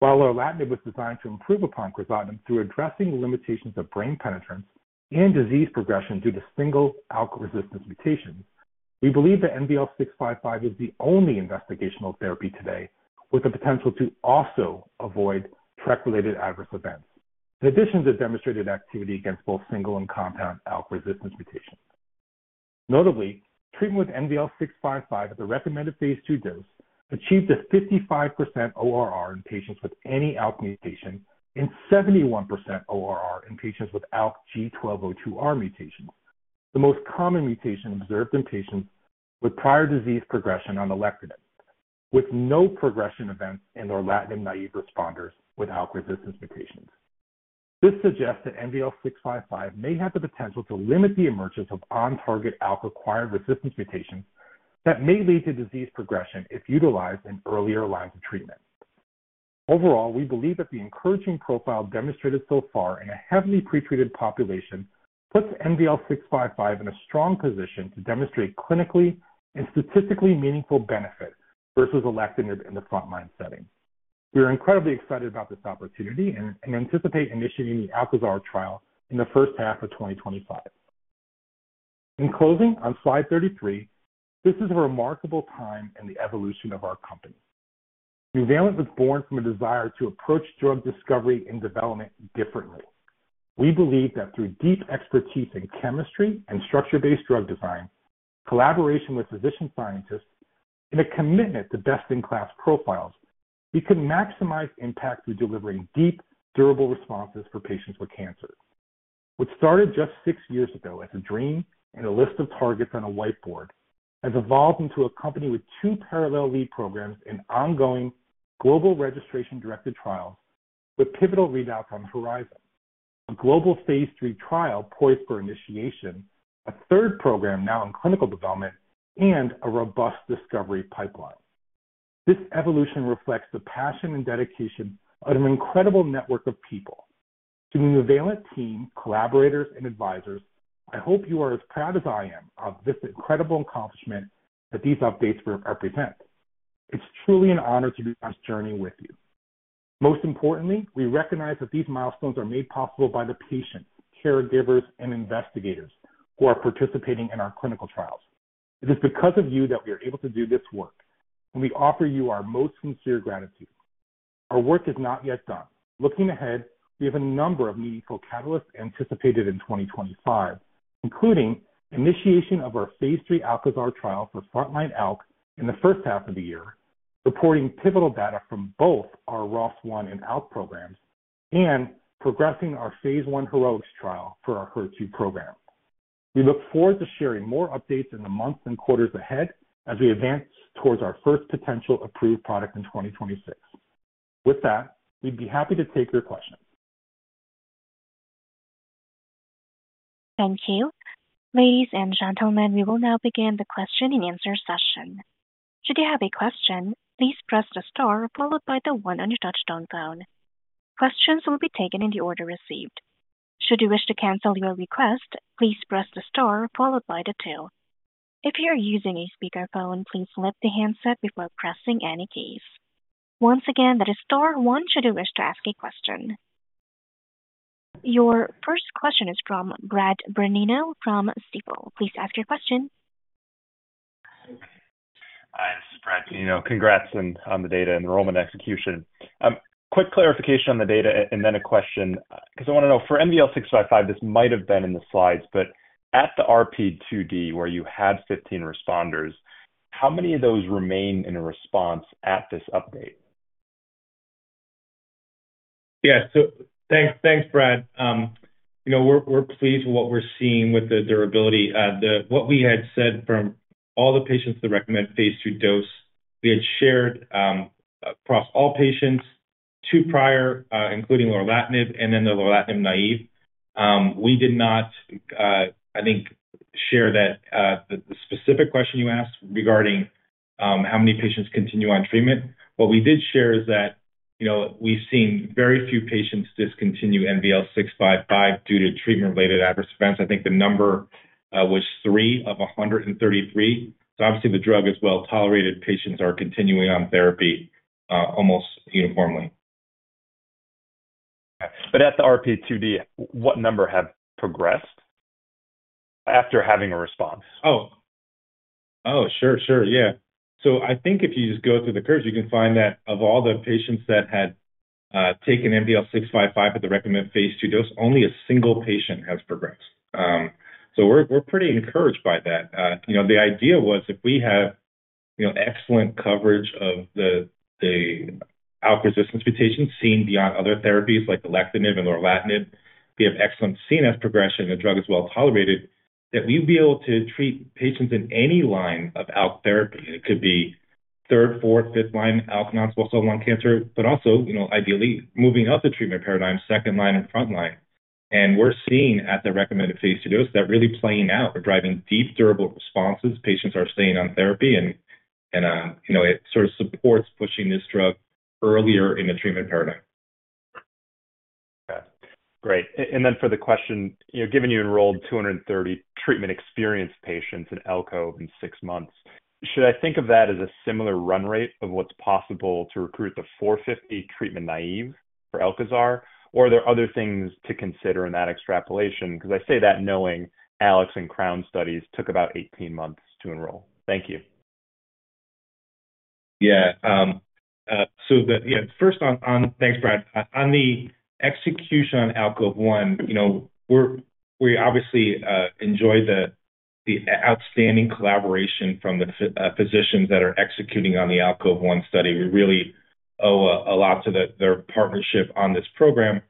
While lorlatinib was designed to improve upon crizotinib through addressing the limitations of brain penetration and disease progression due to single ALK resistance mutations, we believe that NVL-655 is the only investigational therapy today with the potential to also avoid drug-related adverse events. In addition to demonstrated activity against both single and compound ALK resistance mutations.... Notably, treatment with NVL-655 at the recommended phase 2 dose achieved a 55% ORR in patients with any ALK mutation and 71% ORR in patients with ALK G1202R mutations. The most common mutation observed in patients with prior disease progression on alectinib, with no progression events in the lorlatinib naive responders with ALK resistance mutations. This suggests that NVL-655 may have the potential to limit the emergence of on-target ALK-acquired resistance mutations that may lead to disease progression if utilized in earlier lines of treatment. Overall, we believe that the encouraging profile demonstrated so far in a heavily pretreated population puts NVL-655 in a strong position to demonstrate clinically and statistically meaningful benefit versus alectinib in the frontline setting. We are incredibly excited about this opportunity and anticipate initiating the ALCAZAR trial in the first half of 2025. In closing, on slide 33, this is a remarkable time in the evolution of our company. Nuvalent was born from a desire to approach drug discovery and development differently. We believe that through deep expertise in chemistry and structure-based drug design, collaboration with physician scientists, and a commitment to best-in-class profiles, we can maximize impact through delivering deep, durable responses for patients with cancer. What started just six years ago as a dream and a list of targets on a whiteboard has evolved into a company with two parallel lead programs and ongoing global registration-directed trials with pivotal readouts on the horizon, a global phase 3 trial poised for initiation, a third program now in clinical development, and a robust discovery pipeline. This evolution reflects the passion and dedication of an incredible network of people. To the Nuvalent team, collaborators, and advisors, I hope you are as proud as I am of this incredible accomplishment that these updates represent. It's truly an honor to be on this journey with you. Most importantly, we recognize that these milestones are made possible by the patients, caregivers, and investigators who are participating in our clinical trials. It is because of you that we are able to do this work, and we offer you our most sincere gratitude. Our work is not yet done. Looking ahead, we have a number of meaningful catalysts anticipated in 2025, including initiation of our phase 3 ALCAZAR trial for frontline ALK in the first half of the year, reporting pivotal data from both our ROS1 and ALK programs, and progressing our phase 1 HEROEX-1 trial for our HER2 program. We look forward to sharing more updates in the months and quarters ahead as we advance towards our first potential approved product in 2026. With that, we'd be happy to take your questions. Thank you. Ladies and gentlemen, we will now begin the question-and-answer session. Should you have a question, please press the star followed by the one on your touchtone phone. Questions will be taken in the order received. Should you wish to cancel your request, please press the star followed by the two. If you are using a speakerphone, please lift the handset before pressing any keys. Once again, that is star one should you wish to ask a question. Your first question is from Bradley Canino from Stifel. Please ask your question. Hi, this is Bradley Canino. Congrats on the data enrollment execution. Quick clarification on the data and then a question, because I wanna know, for NVL-655, this might have been in the slides, but at the RP2D, where you had 15 responders, how many of those remain in a response at this update? Yeah. So thanks, thanks, Brad. You know, we're pleased with what we're seeing with the durability. What we had said from all the patients, the recommended phase 2 dose, we had shared across all patients, two prior, including lorlatinib and then the lorlatinib naive. We did not, I think, share that, the specific question you asked regarding how many patients continue on treatment. What we did share is that, you know, we've seen very few patients discontinue NVL-655 due to treatment-related adverse events. I think the number was 3 of 133. So obviously, the drug is well-tolerated. Patients are continuing on therapy almost uniformly. But at the RP2D, what number have progressed after having a response? Sure, sure. Yeah. So I think if you just go through the curves, you can find that of all the patients that had taken NVL-655 at the recommended phase 2 dose, only a single patient has progressed. So we're pretty encouraged by that. You know, the idea was if we had excellent coverage of the ALK resistance mutation seen beyond other therapies like alectinib and lorlatinib, we have excellent CNS progression and the drug is well-tolerated, that we'd be able to treat patients in any line of ALK therapy. It could be third, fourth, fifth line ALK non-small cell lung cancer, but also, you know, ideally moving up the treatment paradigm, second line and frontline. And we're seeing at the recommended phase 2 dose, that really playing out. We're driving deep, durable responses. Patients are staying on therapy and, you know, it sort of supports pushing this drug earlier in the treatment paradigm. Okay, great. And then for the question, you know, given you enrolled 230 treatment-experienced patients in ALCOVE-1 in six months, should I think of that as a similar run rate of what's possible to recruit the 450 treatment-naïve for ALCAZAR, or are there other things to consider in that extrapolation? Because I say that knowing ALEX and CROWN studies took about 18 months to enroll. Thank you.... Yeah, so the, yeah, first on, on-- thanks, Brad. On the execution on ALCOVE-1, you know, we're, we obviously enjoy the outstanding collaboration from the physicians that are executing on the ALCOVE-1 study. We really owe a lot to their partnership on this program.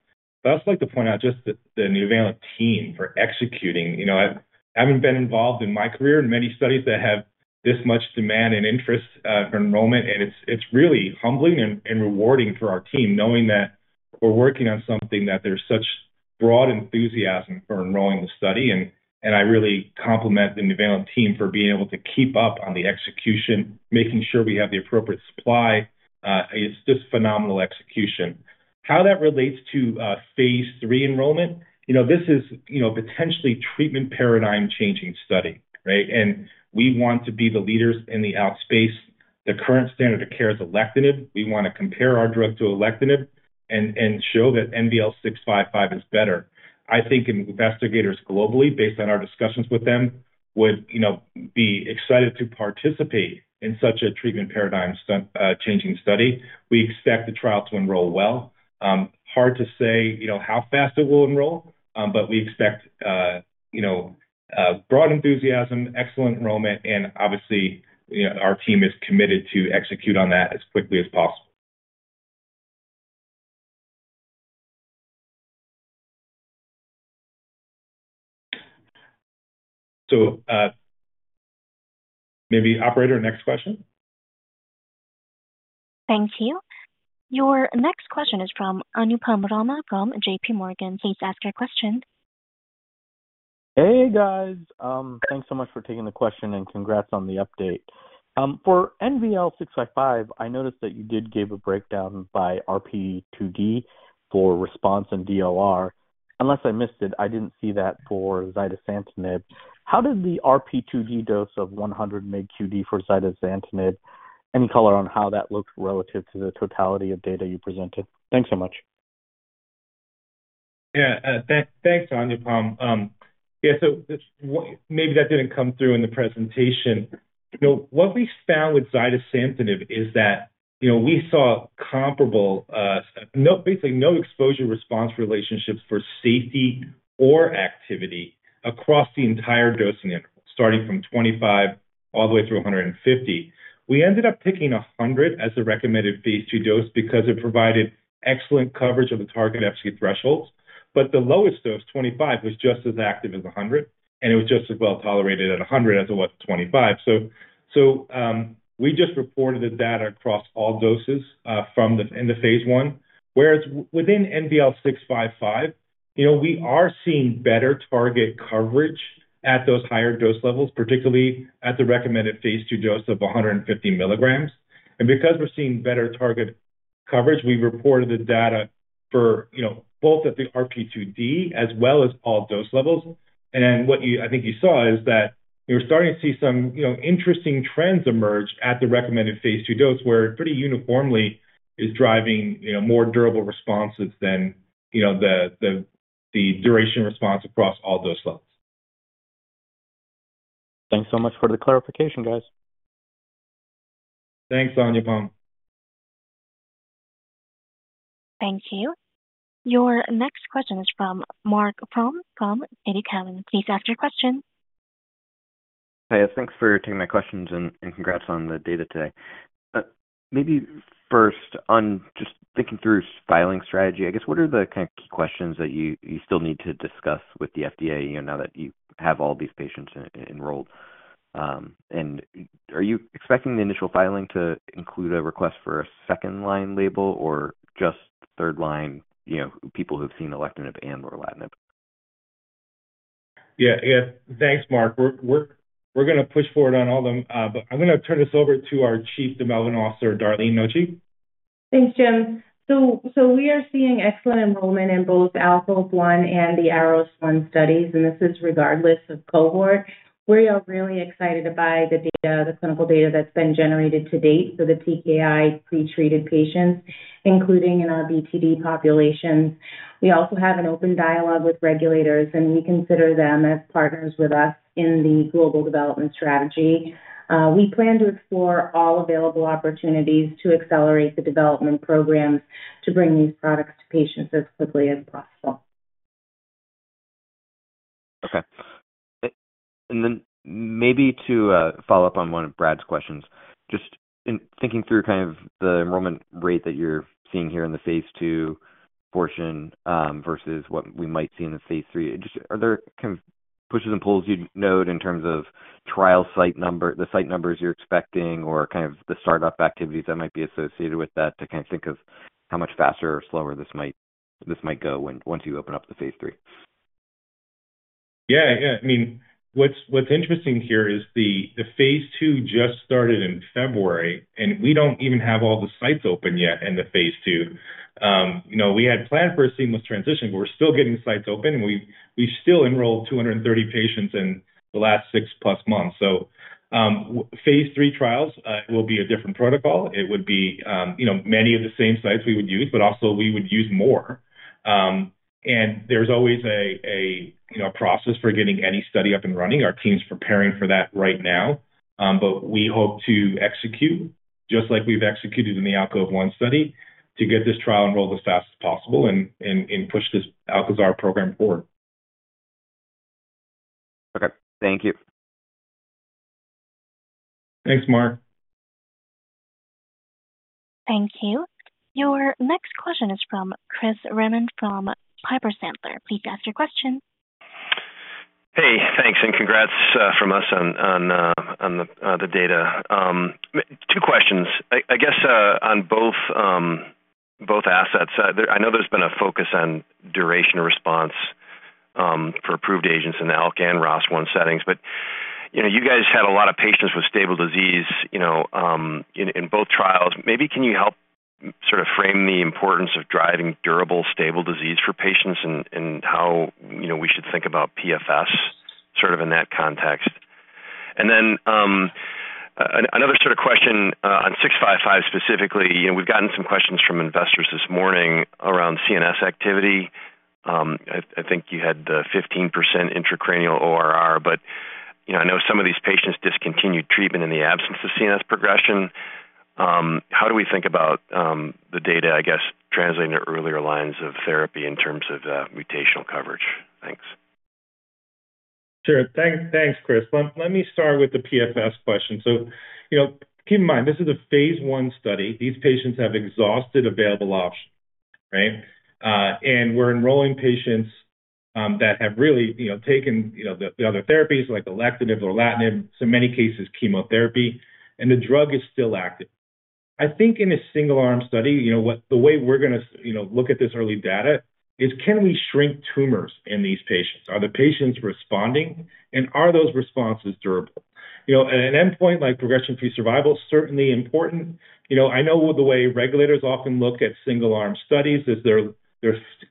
But I'd also like to point out just the Nuvalent team for executing. You know, I haven't been involved in my career in many studies that have this much demand and interest for enrollment, and it's really humbling and rewarding for our team, knowing that we're working on something that there's such broad enthusiasm for enrolling the study. And I really compliment the Nuvalent team for being able to keep up on the execution, making sure we have the appropriate supply. It's just phenomenal execution. How that relates to phase III enrollment, you know, this is, you know, potentially treatment paradigm changing study, right? And we want to be the leaders in the ALK space. The current standard of care is alectinib. We want to compare our drug to alectinib and show that NVL-655 is better. I think investigators globally, based on our discussions with them, would, you know, be excited to participate in such a treatment paradigm changing study. We expect the trial to enroll well. Hard to say, you know, how fast it will enroll, but we expect, you know, broad enthusiasm, excellent enrollment, and obviously, you know, our team is committed to execute on that as quickly as possible. So, maybe operator, next question? Thank you. Your next question is from Anupam Rama from J.P. Morgan. Please ask your question. Hey, guys, thanks so much for taking the question, and congrats on the update. For NVL-655, I noticed that you did give a breakdown by RP2D for response and DOR. Unless I missed it, I didn't see that for zidesamtinib. How did the RP2D dose of 100 mg QD for zidesamtinib? Any color on how that looked relative to the totality of data you presented? Thanks so much. Yeah, thanks, Anupam. Yeah, so maybe that didn't come through in the presentation. You know, what we found with zidesamtinib is that, you know, we saw basically no exposure response relationships for safety or activity across the entire dosing interval, starting from 25 all the way through 150. We ended up picking 100 as the recommended phase 2 dose because it provided excellent coverage of the target FC thresholds, but the lowest dose, 25, was just as active as 100, and it was just as well tolerated at 100 as it was 25. We just reported the data across all doses from the phase 1. Whereas within NVL-655, you know, we are seeing better target coverage at those higher dose levels, particularly at the recommended phase 2 dose of 150 milligrams, and because we're seeing better target coverage, we reported the data for, you know, both at the RP2D as well as all dose levels, and what you, I think you saw is that we're starting to see some, you know, interesting trends emerge at the recommended phase 2 dose, where it pretty uniformly is driving, you know, more durable responses than, you know, the duration response across all dose levels. Thanks so much for the clarification, guys. Thanks, Anupam. Thank you. Your next question is from Marc Frahm from TD Cowen. Please ask your question. Hey, thanks for taking my questions, and congrats on the data today. Maybe first on just thinking through filing strategy, I guess, what are the kind of key questions that you still need to discuss with the FDA, you know, now that you have all these patients enrolled? And are you expecting the initial filing to include a request for a second-line label or just third line, you know, people who've seen alectinib and lorlatinib? Yeah, yeah. Thanks, Mark. We're gonna push forward on all them, but I'm gonna turn this over to our Chief Development Officer, Darlene Noci. Thanks, Jim. We are seeing excellent enrollment in both ALCOVE-1 and the ARROS-1 studies, and this is regardless of cohort. We are really excited by the data, the clinical data that's been generated to date for the TKI pretreated patients, including in our BTD populations. We also have an open dialogue with regulators, and we consider them as partners with us in the global development strategy. We plan to explore all available opportunities to accelerate the development programs to bring these products to patients as quickly as possible. Okay. And then maybe to follow up on one of Brad's questions, just in thinking through kind of the enrollment rate that you're seeing here in the phase II portion, versus what we might see in the phase III. Just are there kind of pushes and pulls you'd note in terms of trial site number, the site numbers you're expecting or kind of the start-up activities that might be associated with that to kind of think of how much faster or slower this might go when once you open up the phase III? Yeah, yeah. I mean, what's interesting here is the phase II just started in February, and we don't even have all the sites open yet in the phase II. You know, we had planned for a seamless transition, but we're still getting sites open, and we still enrolled 230 patients in the last six-plus months. Phase III trials will be a different protocol. It would be, you know, many of the same sites we would use, but also we would use more. And there's always a process for getting any study up and running. Our team's preparing for that right now, but we hope to execute just like we've executed in the ALCOVE-1 study, to get this trial enrolled as fast as possible and push this ALCAZAR program forward. Okay, thank you. Thanks, Mark. Thank you. Your next question is from Chris Raymond from Piper Sandler. Please ask your question. Hey, thanks, and congrats from us on the data. Two questions. I guess on both assets. I know there's been a focus on duration response for approved agents in the ALK and ROS1 settings, but you know, you guys had a lot of patients with stable disease, you know, in both trials. Maybe can you help sort of frame the importance of driving durable, stable disease for patients and how you know we should think about PFS, sort of in that context? And then, another sort of question on NVL-655, specifically. You know, we've gotten some questions from investors this morning around CNS activity. I think you had 15% intracranial ORR, but you know, I know some of these patients discontinued treatment in the absence of CNS progression. How do we think about the data, I guess, translating to earlier lines of therapy in terms of mutational coverage? Thanks. Sure. Thanks. Thanks, Chris. Let me start with the PFS question. So, you know, keep in mind, this is a phase 1 study. These patients have exhausted available options, right? And we're enrolling patients that have really, you know, taken the other therapies like alectinib or lorlatinib, so in many cases, chemotherapy, and the drug is still active. I think in a single-arm study, you know what? The way we're gonna, you know, look at this early data is, can we shrink tumors in these patients? Are the patients responding, and are those responses durable? You know, and an endpoint like progression-free survival is certainly important. You know, I know the way regulators often look at single-arm studies is they're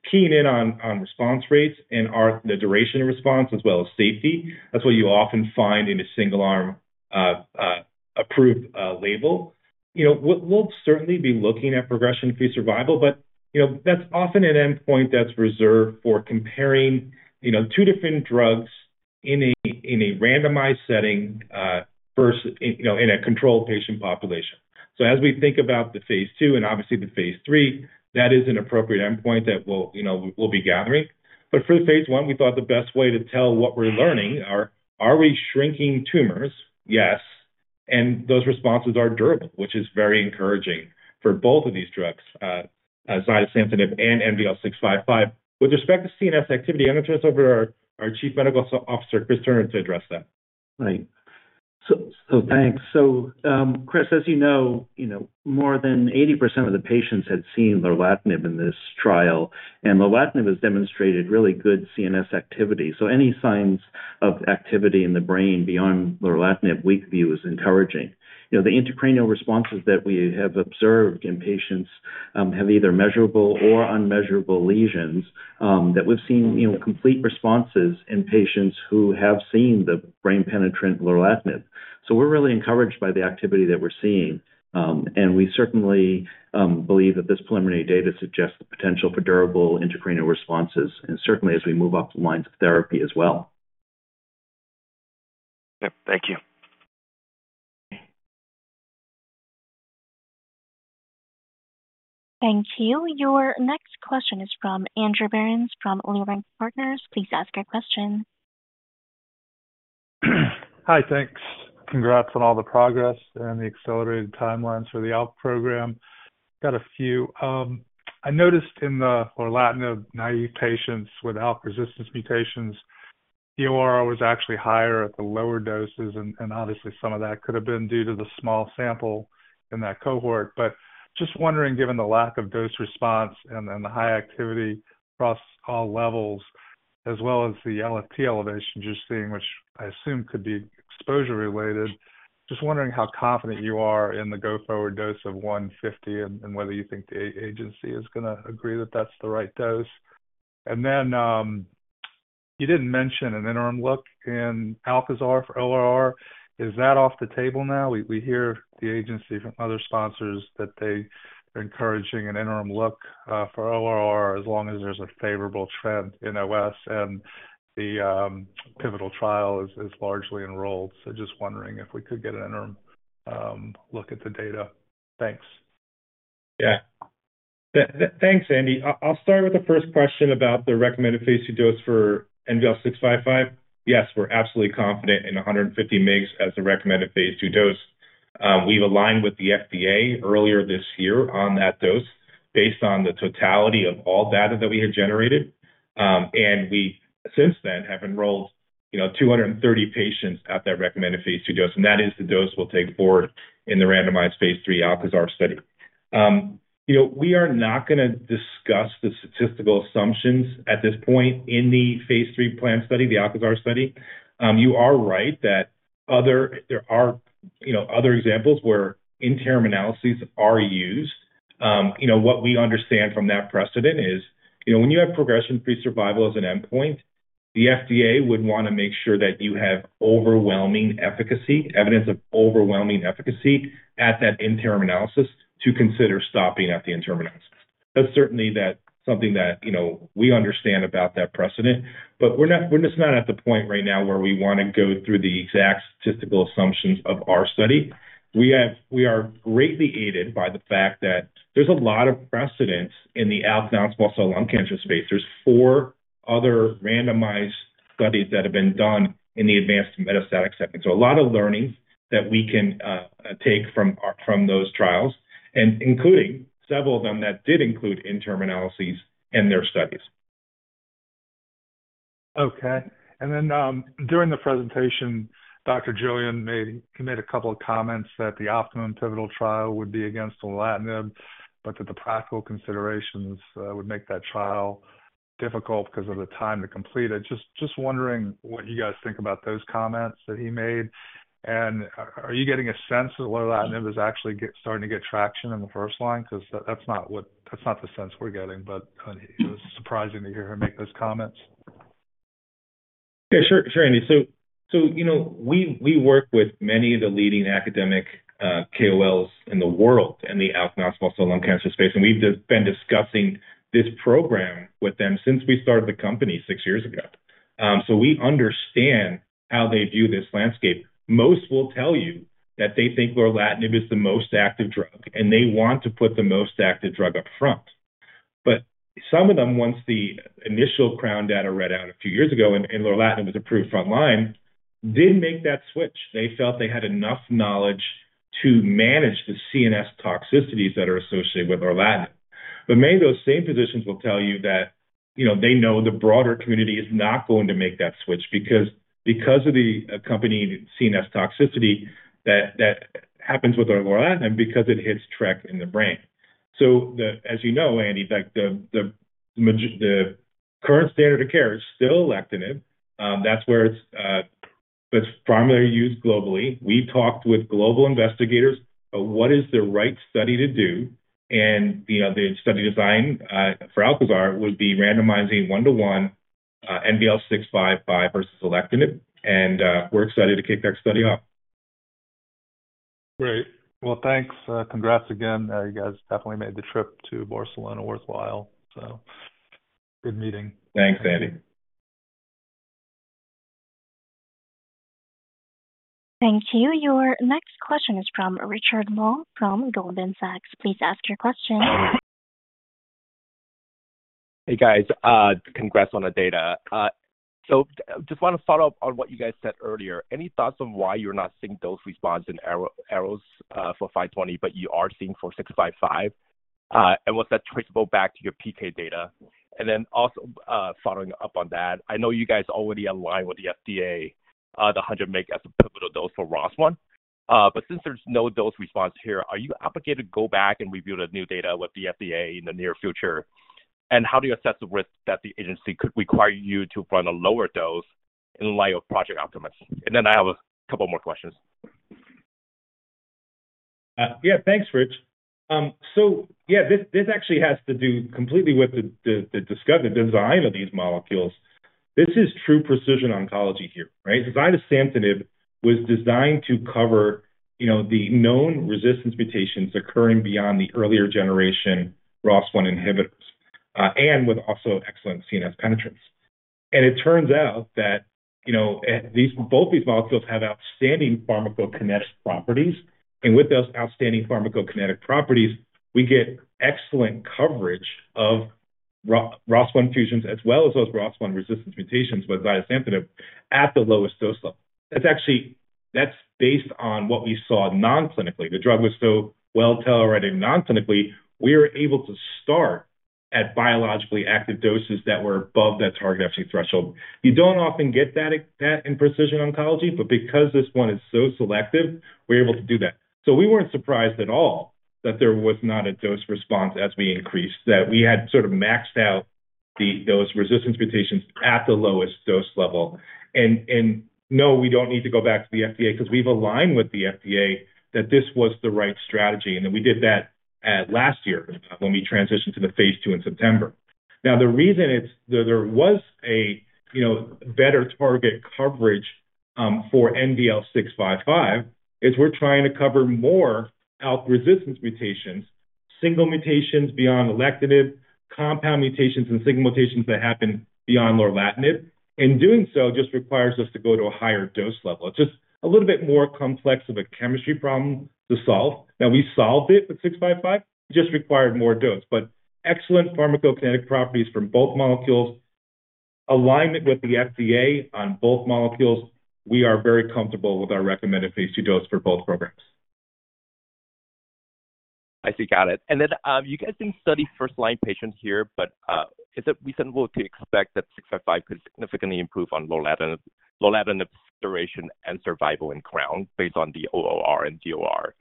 keen on response rates and the duration of response as well as safety. That's what you often find in a single-arm approved label. You know, we'll certainly be looking at progression-free survival, but, you know, that's often an endpoint that's reserved for comparing, you know, two different drugs in a randomized setting versus, you know, in a controlled patient population. So as we think about the phase 2 and obviously the phase 3, that is an appropriate endpoint that we'll, you know, be gathering. But for the phase 1, we thought the best way to tell what we're learning are: Are we shrinking tumors? Yes, and those responses are durable, which is very encouraging for both of these drugs, as zidesamtinib and NVL-655. With respect to CNS activity, I'm going to turn it over to our Chief Medical Officer, Chris Turner, to address that. Right. Thanks. So, Chris, as you know, you know, more than 80% of the patients had seen lorlatinib in this trial, and lorlatinib has demonstrated really good CNS activity. So any signs of activity in the brain beyond lorlatinib we view as encouraging. You know, the intracranial responses that we have observed in patients have either measurable or unmeasurable lesions that we've seen, you know, complete responses in patients who have seen the brain-penetrant lorlatinib. So we're really encouraged by the activity that we're seeing, and we certainly believe that this preliminary data suggests the potential for durable intracranial responses, and certainly as we move up the lines of therapy as well. Yep, thank you. Okay. Thank you. Your next question is from Andrew Berens, from Leerink Partners. Please ask your question. Hi, thanks. Congrats on all the progress and the accelerated timelines for the ALK program. Got a few. I noticed in the lorlatinib naive patients with ALK resistance mutations, the ORR was actually higher at the lower doses, and obviously some of that could have been due to the small sample in that cohort. But just wondering, given the lack of dose response and the high activity across all levels, as well as the LFT elevation you're seeing, which I assume could be exposure related, just wondering how confident you are in the go-forward dose of 150 and whether you think the agency is gonna agree that that's the right dose. And then, you didn't mention an interim look in ALCAZAR for ORR. Is that off the table now? We hear the agency from other sponsors that they're encouraging an interim look for ORR, as long as there's a favorable trend in OS and the pivotal trial is largely enrolled. So just wondering if we could get an interim look at the data. Thanks. Yeah. Thanks, Andy. I'll start with the first question about the recommended phase 2 dose for NVL-655. Yes, we're absolutely confident in 150 mg as the recommended phase 2 dose. We've aligned with the FDA earlier this year on that dose based on the totality of all data that we had generated. And we, since then, have enrolled, you know, 230 patients at that recommended phase 2 dose, and that is the dose we'll take forward in the randomized phase 3 ALCAZAR study. You know, we are not gonna discuss the statistical assumptions at this point in the phase 3 planned study, the ALCAZAR study. You are right that other... There are, you know, other examples where interim analyses are used. You know, what we understand from that precedent is, you know, when you have progression-free survival as an endpoint, the FDA would want to make sure that you have overwhelming efficacy, evidence of overwhelming efficacy at that interim analysis to consider stopping at the interim analysis. That's certainly that something that, you know, we understand about that precedent, but we're not, we're just not at the point right now where we want to go through the exact statistical assumptions of our study. We are greatly aided by the fact that there's a lot of precedents in the ALK non-small cell lung cancer space. There's four other randomized studies that have been done in the advanced metastatic setting. So a lot of learning that we can take from our, from those trials, and including several of them that did include interim analyses in their studies. Okay. And then, during the presentation, Dr. Julien made a couple of comments that the optimum pivotal trial would be against lorlatinib, but that the practical considerations would make that trial difficult because of the time to complete it. Just wondering what you guys think about those comments that he made, and are you getting a sense of whether lorlatinib is actually starting to get traction in the first line? Because that's not what-- that's not the sense we're getting, but it was surprising to hear him make those comments. Yeah, sure, sure, Andy. So, you know, we work with many of the leading academic KOLs in the world in the ALK non-small cell lung cancer space, and we've just been discussing this program with them since we started the company six years ago. So we understand how they view this landscape. Most will tell you that they think lorlatinib is the most active drug, and they want to put the most active drug up front. But some of them, once the initial CROWN data read out a few years ago, and lorlatinib was approved front line, didn't make that switch. They felt they had enough knowledge to manage the CNS toxicities that are associated with lorlatinib. But many of those same physicians will tell you that, you know, they know the broader community is not going to make that switch, because of the accompanying CNS toxicity that happens with the lorlatinib, because it hits TRK in the brain. As you know, Andy, like, the current standard of care is still alectinib. That's where it's, that's primarily used globally. We've talked with global investigators of what is the right study to do, and, you know, the study design for ALCAZAR would be randomizing one to one, NVL-655 versus alectinib, and, we're excited to kick that study off. Great. Well, thanks. Congrats again. You guys definitely made the trip to Barcelona worthwhile. So good meeting. Thanks, Andy. Thank you. Your next question is from Richard Law from Goldman Sachs. Please ask your question. Hey, guys, congrats on the data. So just want to follow up on what you guys said earlier. Any thoughts on why you're not seeing dose response in ARROS-1 for NVL-520, but you are seeing for NVL-655? And was that traceable back to your PK data? And then also, following up on that, I know you guys already align with the FDA, the 100 mg as a pivotal dose for ROS1, but since there's no dose response here, are you obligated to go back and review the new data with the FDA in the near future? And how do you assess the risk that the agency could require you to run a lower dose in light of Project Optimus? And then I have a couple more questions. Yeah, thanks, Rich. So yeah, this actually has to do completely with the discovery, the design of these molecules. This is true precision oncology here, right? Zidesamtinib was designed to cover, you know, the known resistance mutations occurring beyond the earlier generation ROS1 inhibitors, and with also excellent CNS penetrance. And it turns out that, you know, at least both these molecules have outstanding pharmacokinetic properties, and with those outstanding pharmacokinetic properties, we get excellent coverage of ROS1 fusions, as well as those ROS1 resistance mutations with zidesamtinib at the lowest dose level. That's actually based on what we saw non-clinically. The drug was so well tolerated non-clinically, we were able to start at biologically active doses that were above that target actually threshold. You don't often get that, that in precision oncology, but because this one is so selective, we're able to do that. So we weren't surprised at all that there was not a dose response as we increased, that we had sort of maxed out the, those resistance mutations at the lowest dose level. And no, we don't need to go back to the FDA because we've aligned with the FDA that this was the right strategy, and we did that last year when we transitioned to the phase 2 in September. Now, the reason it's there was a, you know, better target coverage for NVL-655 is we're trying to cover more ALK resistance mutations, single mutations beyond alectinib, compound mutations and single mutations that happen beyond lorlatinib. And doing so just requires us to go to a higher dose level. It's just a little bit more complex of a chemistry problem to solve. Now, we solved it with NVL-655, just required more dose, but excellent pharmacokinetic properties from both molecules, alignment with the FDA on both molecules. We are very comfortable with our recommended phase 2 dose for both programs. I see. Got it. And then, you guys didn't study first-line patients here, but, is it reasonable to expect that six five five could significantly improve on lorlatinib, lorlatinib duration and survival in CROWN based on the ORR and DOR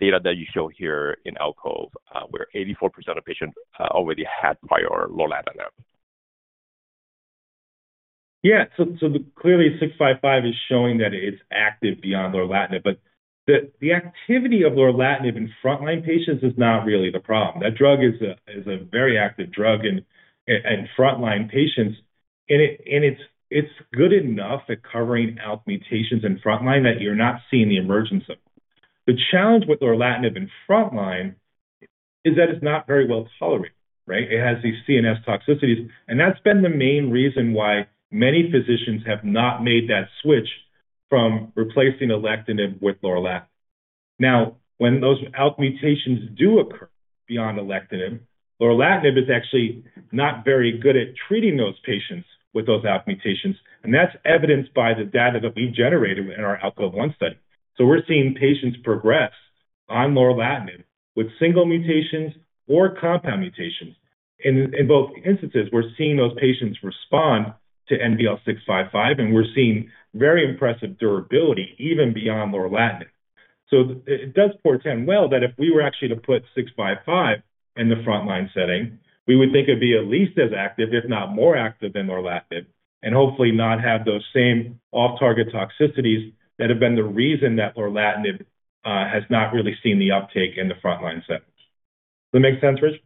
data that you show here in ALCOVE-1, where 84% of patients already had prior lorlatinib? Yeah. So clearly, six five five is showing that it's active beyond lorlatinib, but the activity of lorlatinib in frontline patients is not really the problem. That drug is a very active drug in frontline patients, and it's good enough at covering ALK mutations in frontline that you're not seeing the emergence of... The challenge with lorlatinib in frontline is that it's not very well tolerated, right? It has these CNS toxicities, and that's been the main reason why many physicians have not made that switch from replacing alectinib with lorlatinib. Now, when those ALK mutations do occur beyond alectinib, lorlatinib is actually not very good at treating those patients with those ALK mutations, and that's evidenced by the data that we've generated in our ALCOVE-1 study. So we're seeing patients progress on lorlatinib with single mutations or compound mutations. In both instances, we're seeing those patients respond to NVL-655, and we're seeing very impressive durability, even beyond lorlatinib. So it does portend well that if we were actually to put 655 in the frontline setting, we would think it'd be at least as active, if not more active, than lorlatinib and hopefully not have those same off-target toxicities that have been the reason that lorlatinib has not really seen the uptake in the frontline setting. Does that make sense, Rich?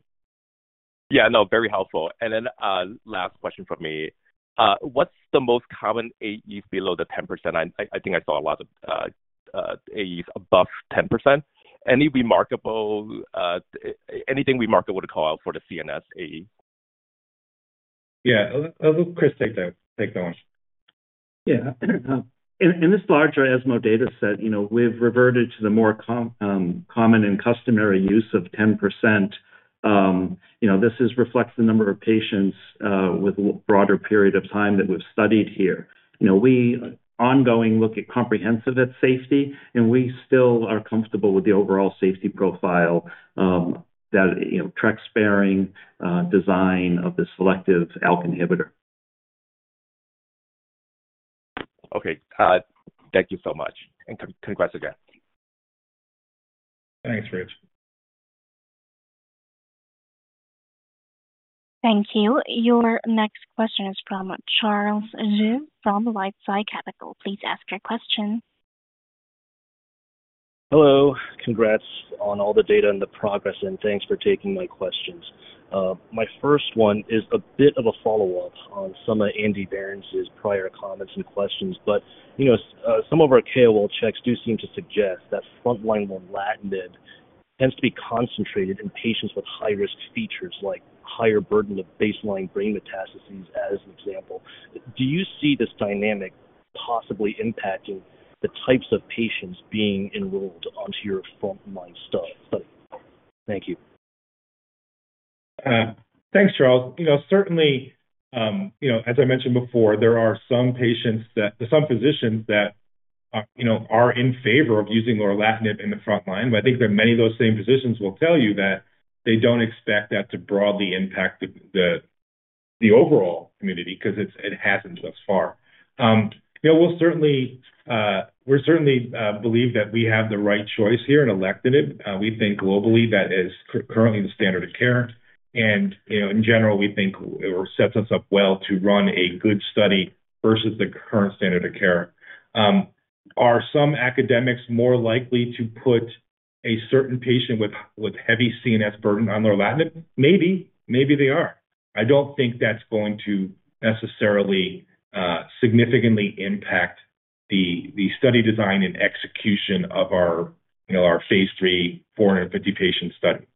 Yeah, no, very helpful. And then, last question from me. What’s the most common AEs below the 10%? I think I saw a lot of AEs above 10%. Any remarkable, anything remarkable to call out for the CNS AE? Yeah. I'll let Chris take that one. Yeah. In this larger ESMO data set, you know, we've reverted to the more common and customary use of 10%. You know, this reflects the number of patients with broader period of time that we've studied here. You know, we ongoing look at comprehensive safety, and we still are comfortable with the overall safety profile, you know, TRK-sparing design of the selective ALK inhibitor. Okay. Thank you so much, and congrats again. Thanks, Rich. Thank you. Your next question is from Charles Zhu from LifeSci Capital. Please ask your question. Hello. Congrats on all the data and the progress, and thanks for taking my questions. My first one is a bit of a follow-up on some of Andrew Berens' prior comments and questions, but, you know, some of our KOL checks do seem to suggest that frontline lorlatinib tends to be concentrated in patients with high-risk features, like higher burden of baseline brain metastases, as an example. Do you see this dynamic possibly impacting the types of patients being enrolled onto your frontline study? Thank you. Thanks, Charles. You know, certainly, you know, as I mentioned before, there are some patients that-- some physicians that, you know, are in favor of using lorlatinib in the frontline. But I think that many of those same physicians will tell you that they don't expect that to broadly impact the overall community 'cause it hasn't thus far. You know, we'll certainly believe that we have the right choice here in alectinib. We think globally that is currently the standard of care, and, you know, in general, we think it sets us up well to run a good study versus the current standard of care. Are some academics more likely to put a certain patient with heavy CNS burden on lorlatinib? Maybe. Maybe they are. I don't think that's going to necessarily significantly impact the study design and execution of our, you know, our phase 3, 450 patient study.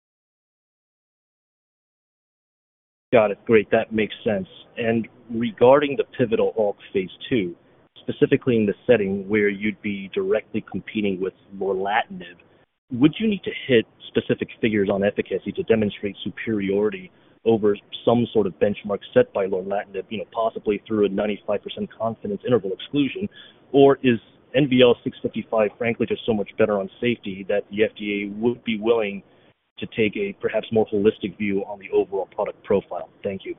Got it. Great, that makes sense. And regarding the pivotal ALK phase 2, specifically in the setting where you'd be directly competing with lorlatinib, would you need to hit specific figures on efficacy to demonstrate superiority over some sort of benchmark set by lorlatinib, you know, possibly through a 95% confidence interval exclusion? Or is NVL-655 frankly just so much better on safety, that the FDA would be willing to take a perhaps more holistic view on the overall product profile? Thank you.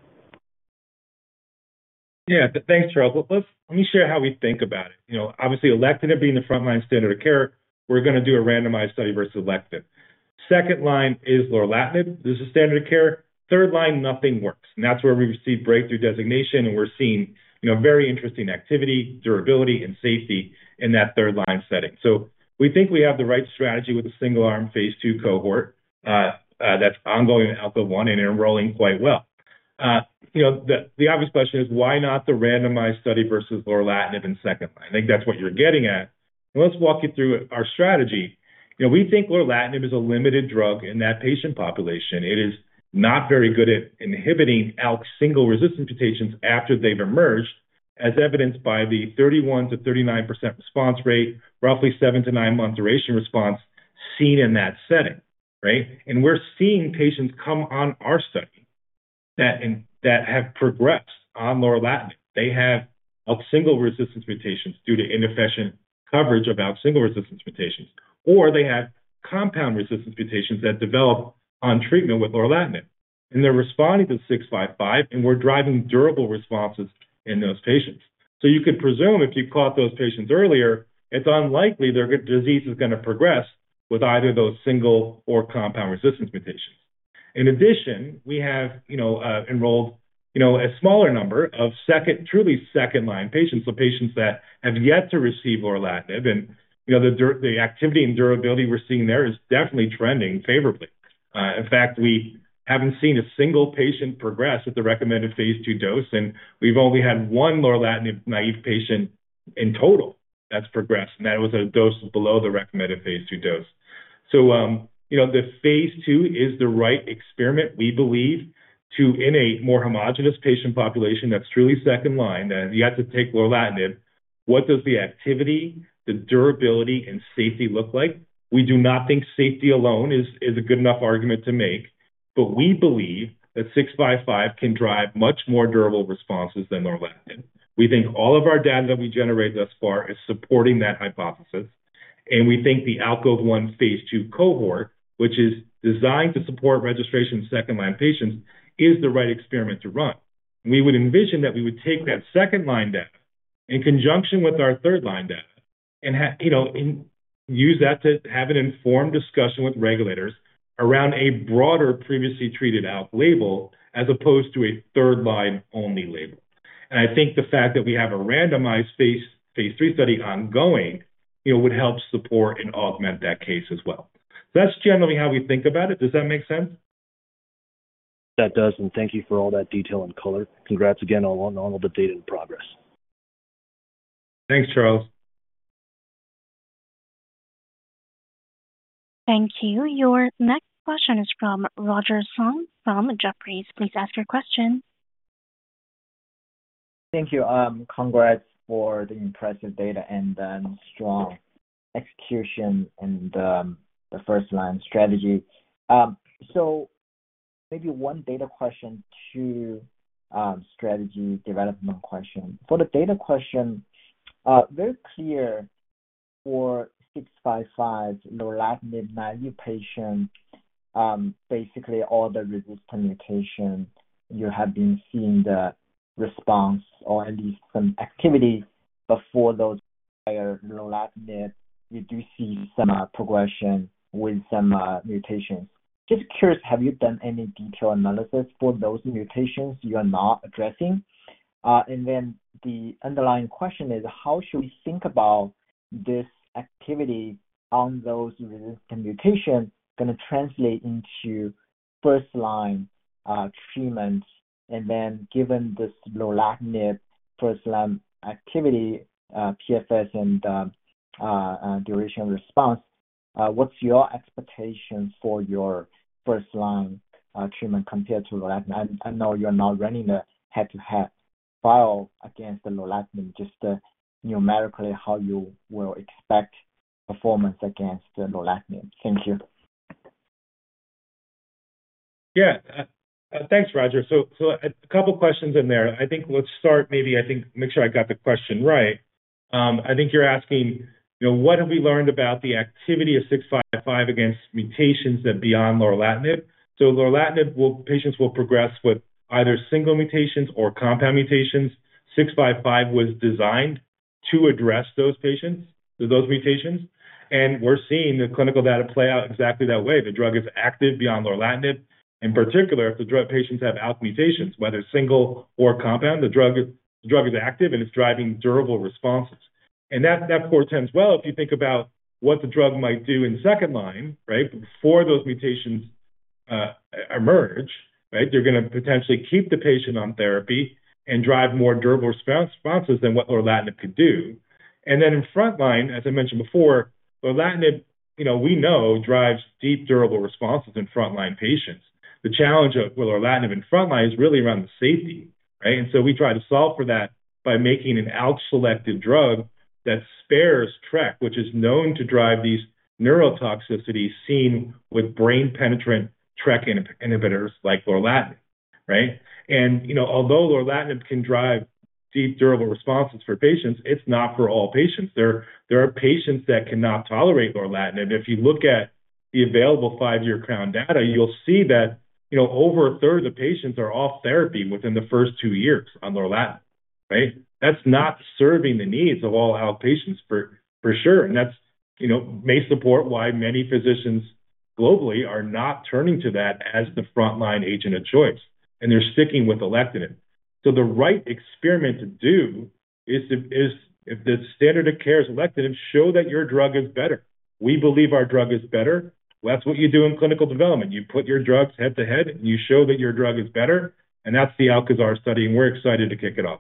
Yeah. Thanks, Charles. Let me share how we think about it. You know, obviously, alectinib being the frontline standard of care, we're gonna do a randomized study versus alectinib. Second line is lorlatinib. This is standard of care. Third line, nothing works, and that's where we've received breakthrough designation, and we're seeing, you know, very interesting activity, durability, and safety in that third-line setting. So we think we have the right strategy with a single-arm phase two cohort that's ongoing in ALCOVE-1 and enrolling quite well. You know, the obvious question is, why not the randomized study versus lorlatinib in second line? I think that's what you're getting at, and let's walk you through our strategy. You know, we think lorlatinib is a limited drug in that patient population. It is not very good at inhibiting ALK single resistance mutations after they've emerged, as evidenced by the 31%-39% response rate, roughly seven- to nine-month duration response seen in that setting, right? And we're seeing patients come on our study that have progressed on lorlatinib. They have ALK single resistance mutations due to inefficient coverage of ALK single resistance mutations, or they have compound resistance mutations that develop on treatment with lorlatinib, and they're responding to NVL-655, and we're driving durable responses in those patients. So you could presume if you caught those patients earlier, it's unlikely their disease is gonna progress with either those single or compound resistance mutations. In addition, we have, you know, enrolled, you know, a smaller number of second-, truly second-line patients, so patients that have yet to receive lorlatinib. You know, the activity and durability we're seeing there is definitely trending favorably. In fact, we haven't seen a single patient progress at the recommended phase two dose, and we've only had one lorlatinib naive patient in total that's progressed, and that was a dose below the recommended phase two dose. So, you know, the phase two is the right experiment, we believe, to in a more homogeneous patient population that's truly second line, and you have to take lorlatinib, what does the activity, the durability, and safety look like? We do not think safety alone is a good enough argument to make, but we believe that six five five can drive much more durable responses than lorlatinib. We think all of our data that we've generated thus far is supporting that hypothesis, and we think the ALCOVE-1 phase two cohort, which is designed to support registration of second-line patients, is the right experiment to run. We would envision that we would take that second-line data in conjunction with our third-line data and you know, and use that to have an informed discussion with regulators around a broader previously treated ALK label, as opposed to a third-line-only label. And I think the fact that we have a randomized phase, phase three study ongoing, you know, would help support and augment that case as well. That's generally how we think about it. Does that make sense? That does, and thank you for all that detail and color. Congrats again on all, on all the data and progress. Thanks, Charles. Thank you. Your next question is from Roger Song from Jefferies. Please ask your question. Thank you. Congrats for the impressive data and strong execution in the first-line strategy. So maybe one data question to strategy development question. For the data question, very clear for six five five lorlatinib-naive patient, basically all the resistance mutations you have been seeing the response or at least some activity before those prior lorlatinib, you do see some progression with some mutations. Just curious, have you done any detailed analysis for those mutations you are not addressing? And then the underlying question is, how should we think about this activity on those resistant mutations gonna translate into first-line treatments? And then, given this lorlatinib first-line activity, PFS and duration response, what's your expectations for your first-line treatment compared to lorlatinib? I know you're not running a head-to-head trial against the lorlatinib, just numerically how you will expect performance against the lorlatinib. Thank you. Yeah. Thanks, Roger. So a couple questions in there. I think let's start, make sure I got the question right. I think you're asking, you know, what have we learned about the activity of NVL-655 against mutations that beyond lorlatinib? So lorlatinib will patients will progress with either single mutations or compound mutations. NVL-655 was designed to address those patients, those mutations, and we're seeing the clinical data play out exactly that way. The drug is active beyond lorlatinib. In particular, if the patients have ALK mutations, whether single or compound, the drug is active, and it's driving durable responses. And that portends well if you think about what the drug might do in second line, right, before those mutations emerge, right? They're gonna potentially keep the patient on therapy and drive more durable responses than what lorlatinib could do. And then in frontline, as I mentioned before, lorlatinib, you know, we know drives deep, durable responses in frontline patients. The challenge of lorlatinib in frontline is really around the safety, right? And so we try to solve for that by making an ALK selective drug that spares TRK, which is known to drive these neurotoxicities seen with brain-penetrant TRK inhibitors like lorlatinib, right? And, you know, although lorlatinib can drive deep, durable responses for patients, it's not for all patients. There are patients that cannot tolerate lorlatinib. If you look at the available five-year CROWN data, you'll see that, you know, over a third of the patients are off therapy within the first two years on lorlatinib, right? That's not serving the needs of all ALK patients for sure. That's, you know, may support why many physicians globally are not turning to that as the frontline agent of choice, and they're sticking with alectinib. The right experiment to do is if the standard of care is alectinib, show that your drug is better. We believe our drug is better. That's what you do in clinical development. You put your drugs head-to-head, and you show that your drug is better, and that's the ALCAZAR study, and we're excited to kick it off.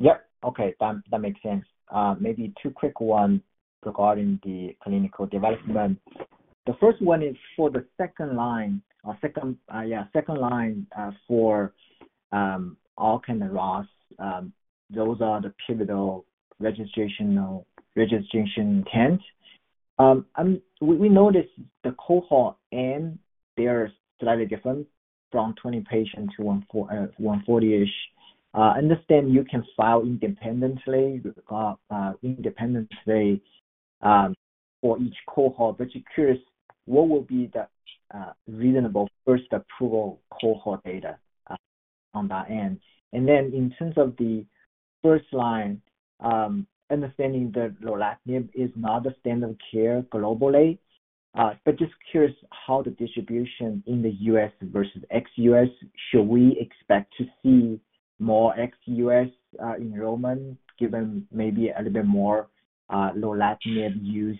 Yep. Okay, that makes sense. Maybe two quick ones regarding the clinical development. The first one is for the second line or second, yeah, second line, for ALK and ROS. Those are the pivotal registrational registration intent. We noticed the cohort N, they are slightly different from 20 patients to 14 to 140-ish. Understand you can file independently for each cohort, but just curious, what will be the reasonable first approval cohort data on that end? And then in terms of the first line, understanding that lorlatinib is not the standard of care globally, but just curious how the distribution in the U.S. versus ex-U.S. Should we expect to see more ex-US enrollment, given maybe a little bit more lorlatinib use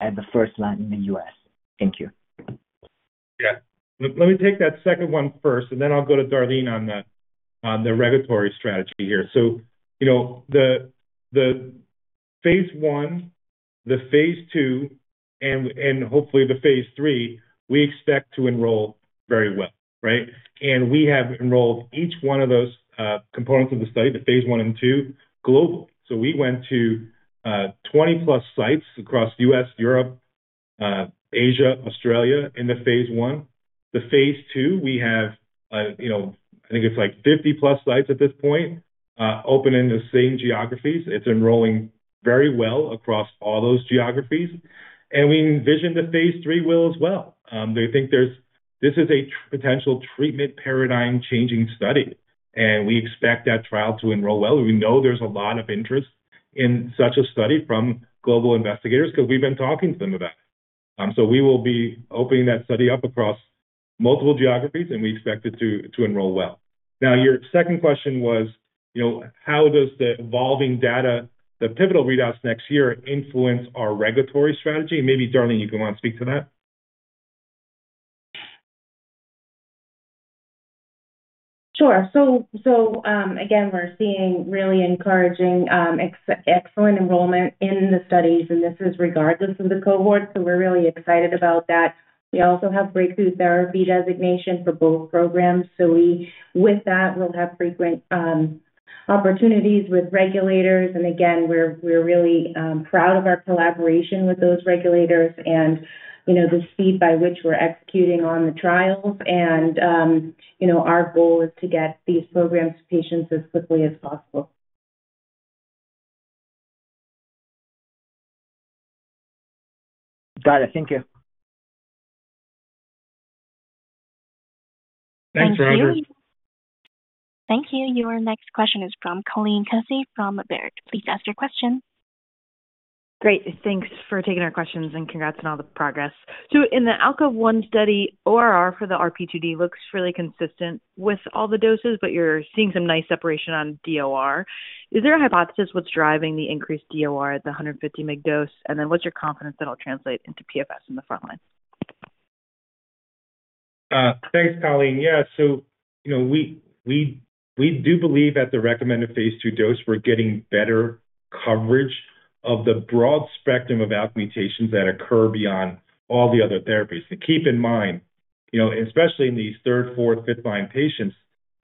as the first line in the US? Thank you.... Yeah. Let me take that second one first, and then I'll go to Darlene on the regulatory strategy here. So, you know, the phase one, the phase two, and hopefully the phase three, we expect to enroll very well, right? And we have enrolled each one of those components of the study, the phase one and two, global. So we went to twenty-plus sites across U.S., Europe, Asia, Australia, in the phase one. The phase two, we have, you know, I think it's like fifty-plus sites at this point open in the same geographies. It's enrolling very well across all those geographies, and we envision the phase three will as well. They think this is a potential treatment paradigm-changing study, and we expect that trial to enroll well. We know there's a lot of interest in such a study from global investigators 'cause we've been talking to them about it, so we will be opening that study up across multiple geographies, and we expect it to enroll well. Now, your second question was, you know, how does the evolving data, the pivotal readouts next year, influence our regulatory strategy, and maybe, Darlene, you want to speak to that. Sure. Again, we're seeing really encouraging, excellent enrollment in the studies, and this is regardless of the cohort, so we're really excited about that. We also have breakthrough therapy designation for both programs, so we, with that, we'll have frequent opportunities with regulators, and again, we're really proud of our collaboration with those regulators and, you know, the speed by which we're executing on the trials, and you know, our goal is to get these programs to patients as quickly as possible. Got it. Thank you. Thanks, Andrew. Thank you. Thank you. Your next question is from Colleen Kusy, from Baird. Please ask your question. Great. Thanks for taking our questions, and congrats on all the progress. So in the ALCOVE-1 study, ORR for the RP2D looks really consistent with all the doses, but you're seeing some nice separation on DOR. Is there a hypothesis what's driving the increased DOR at the 150 mg dose? And then what's your confidence that'll translate into PFS in the frontline? Thanks, Colleen. Yeah, so you know, we do believe at the recommended phase 2 dose, we're getting better coverage of the broad spectrum of ALK mutations that occur beyond all the other therapies. So keep in mind, you know, especially in these third, fourth, fifth-line patients,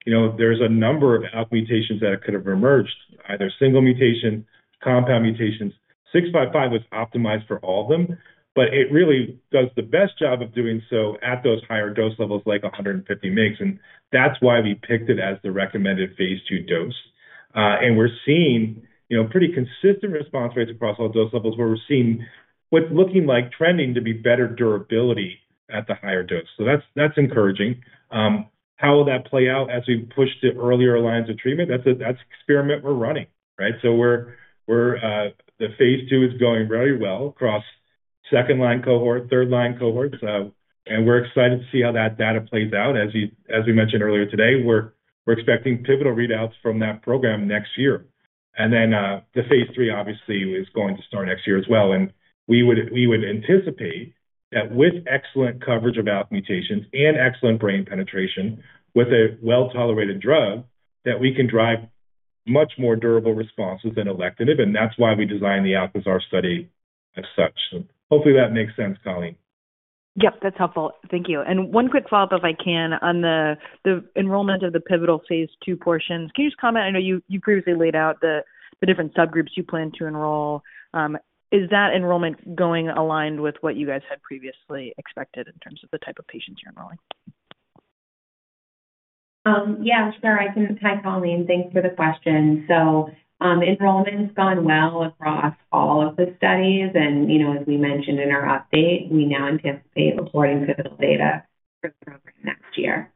you know, there's a number of ALK mutations that could have emerged, either single mutation, compound mutations. NVL-655 was optimized for all of them, but it really does the best job of doing so at those higher dose levels, like 150 mg, and that's why we picked it as the recommended phase 2 dose. And we're seeing, you know, pretty consistent response rates across all dose levels, where we're seeing what's looking like trending to be better durability at the higher dose. So that's encouraging. How will that play out as we push to earlier lines of treatment? That's the experiment we're running, right? So the phase two is going very well across second-line cohort, third-line cohorts. And we're excited to see how that data plays out. As we mentioned earlier today, we're expecting pivotal readouts from that program next year. And then, the phase three, obviously, is going to start next year as well. And we would anticipate that with excellent coverage of ALK mutations and excellent brain penetration, with a well-tolerated drug, that we can drive much more durable responses than alectinib, and that's why we designed the ALCAZAR study as such. So hopefully that makes sense, Colleen. Yep, that's helpful. Thank you, and one quick follow-up, if I can, on the enrollment of the pivotal phase 2 portions. Can you just comment? I know you previously laid out the different subgroups you plan to enroll. Is that enrollment going aligned with what you guys had previously expected in terms of the type of patients you're enrolling? Yeah, sure, I can. Hi, Colleen. Thanks for the question, so enrollment has gone well across all of the studies, and, you know, as we mentioned in our update, we now anticipate reporting pivotal data for the program next year.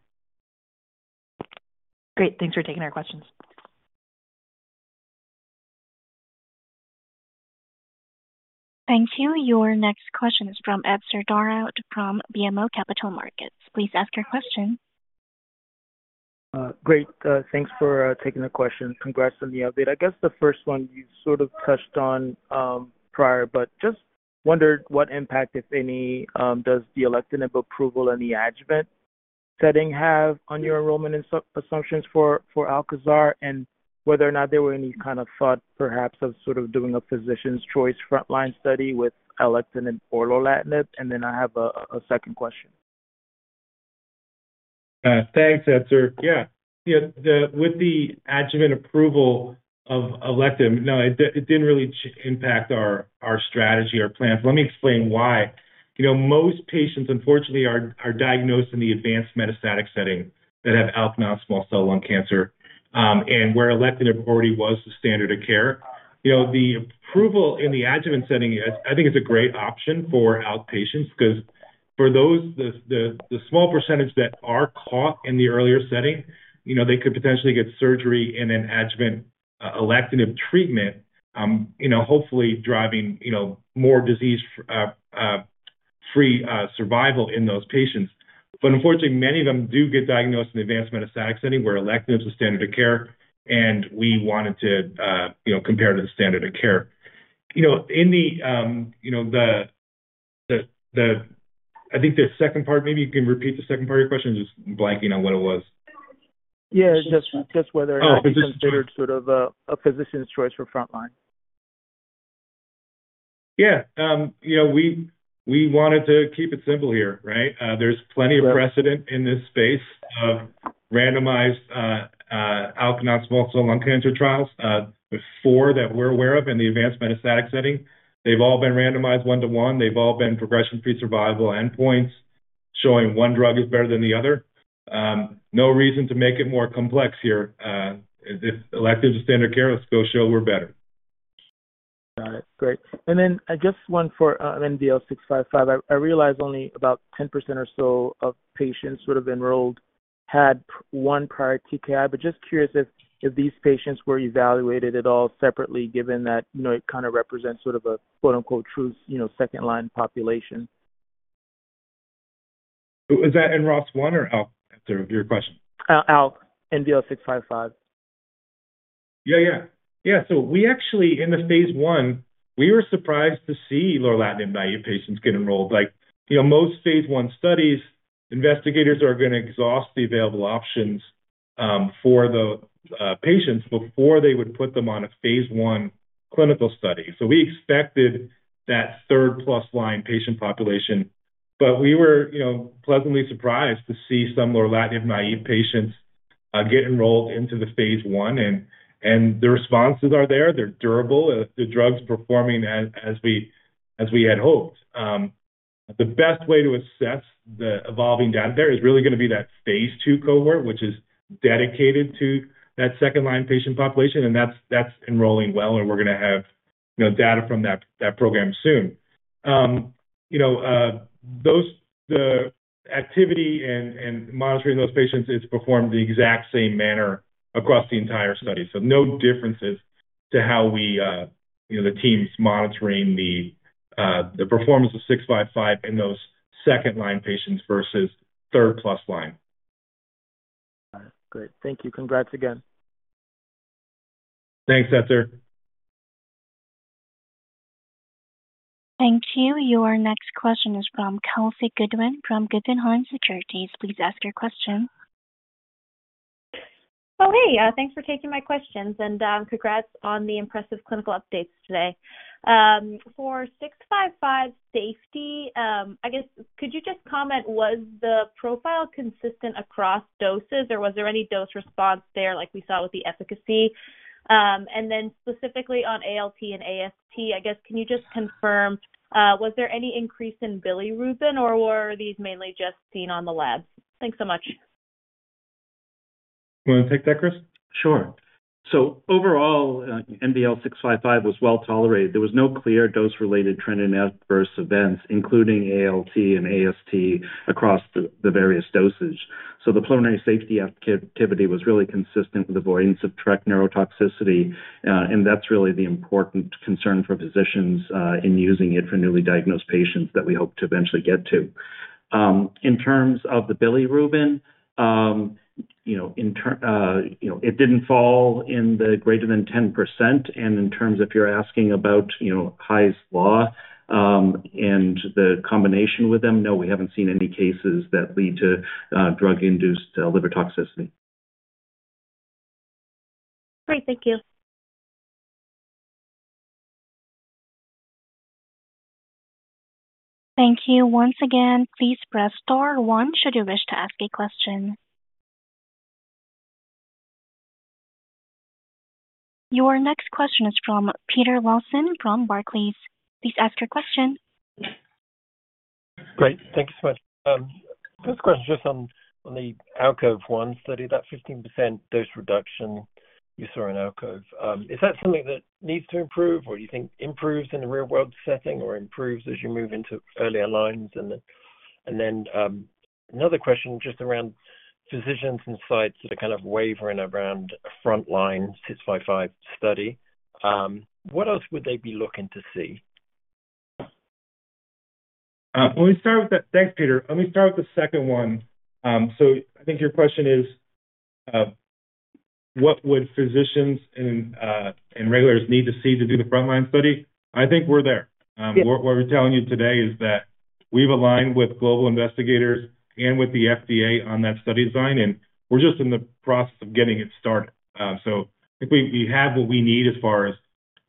Great. Thanks for taking our questions. Thank you. Your next question is from Etzer Darout, from BMO Capital Markets. Please ask your question. Great. Thanks for taking the question. Congrats on the update. I guess the first one you sort of touched on prior, but just wondered what impact, if any, does the alectinib approval in the adjuvant setting have on your enrollment assumptions for ALCAZAR? And whether or not there were any kind of thought, perhaps, of sort of doing a physician's choice frontline study with alectinib or lorlatinib. And then I have a second question. Thanks, Etzer. Yeah. Yeah, the, with the adjuvant approval of alectinib, no, it didn't really impact our strategy, our plans. Let me explain why. You know, most patients unfortunately are diagnosed in the advanced metastatic setting, that have ALK non-small cell lung cancer, and where alectinib already was the standard of care. You know, the approval in the adjuvant setting, I think, is a great option for outpatients, 'cause for those, the small percentage that are caught in the earlier setting, you know, they could potentially get surgery and then adjuvant alectinib treatment, you know, hopefully driving more disease-free survival in those patients. But unfortunately, many of them do get diagnosed in the advanced metastatic setting, where alectinib is the standard of care, and we wanted to, you know, compare to the standard of care. You know, in the, you know, the, I think the second part, maybe you can repeat the second part of your question? I'm just blanking on what it was. Yeah, just whether- Oh, because- It's considered sort of a physician's choice for frontline. Yeah. You know, we wanted to keep it simple here, right? There's plenty of precedent in this space of randomized ALK non-small cell lung cancer trials before that we're aware of in the advanced metastatic setting. They've all been randomized one to one. They've all been progression-free survival endpoints, showing one drug is better than the other. No reason to make it more complex here. If elective to standard care, let's go show we're better. Got it. Great. Then just one for NVL-655. I realize only about 10% or so of patients sort of enrolled had 1 prior TKI, but just curious if these patients were evaluated at all separately, given that, you know, it kind of represents sort of a quote-unquote "true" second-line population. Is that in ROS1 or ALK, your question? ALK, NVL-655. Yeah, yeah. Yeah, so we actually, in the phase 1, we were surprised to see lorlatinib naive patients get enrolled. Like, you know, most phase 1 studies, investigators are gonna exhaust the available options for the patients before they would put them on a phase 1 clinical study. So we expected that third plus line patient population, but we were, you know, pleasantly surprised to see some lorlatinib naive patients get enrolled into the phase 1. And the responses are there, they're durable. The drug's performing as we had hoped. The best way to assess the evolving data there is really gonna be that phase 2 cohort, which is dedicated to that second-line patient population, and that's enrolling well, and we're gonna have, you know, data from that program soon. You know, the activity and monitoring those patients is performed the exact same manner across the entire study. So no differences to how we, you know, the team's monitoring the performance of NVL-655 in those second-line patients versus third plus line. Got it. Great. Thank you. Congrats again. Thanks, Etzer. Thank you. Your next question is from Kelsey Goodwin from Guggenheim Securities. Please ask your question. Oh, hey, thanks for taking my questions, and congrats on the impressive clinical updates today. For NVL-655 safety, I guess could you just comment, was the profile consistent across doses, or was there any dose response there, like we saw with the efficacy? And then specifically on ALT and AST, I guess, can you just confirm, was there any increase in bilirubin, or were these mainly just seen on the labs? Thanks so much. You wanna take that, Chris? Sure. So overall, NVL-655 was well tolerated. There was no clear dose-related trend in adverse events, including ALT and AST, across the various doses. So the pulmonary safety activity was really consistent with avoidance of TRK neurotoxicity, and that's really the important concern for physicians in using it for newly diagnosed patients that we hope to eventually get to. In terms of the bilirubin, you know, it didn't fall in the greater than 10%. And in terms of if you're asking about, you know, Hy's Law and the combination with them, no, we haven't seen any cases that lead to drug-induced liver toxicity. Great. Thank you. Thank you. Once again, please press star one should you wish to ask a question. Your next question is from Peter Lawson from Barclays. Please ask your question. Great. Thank you so much. First question, just on the ALCOVE-1 study, that 15% dose reduction you saw in ALCOVE, is that something that needs to improve, or you think improves in the real-world setting, or improves as you move into earlier lines? And then, another question just around physicians' insights, the kind of wavering around frontline 655 study. What else would they be looking to see? Thanks, Peter. Let me start with the second one. So I think your question is: What would physicians and regulators need to see to do the frontline study? I think we're there. Yeah. What we're telling you today is that we've aligned with global investigators and with the FDA on that study design, and we're just in the process of getting it started. So I think we have what we need as far as,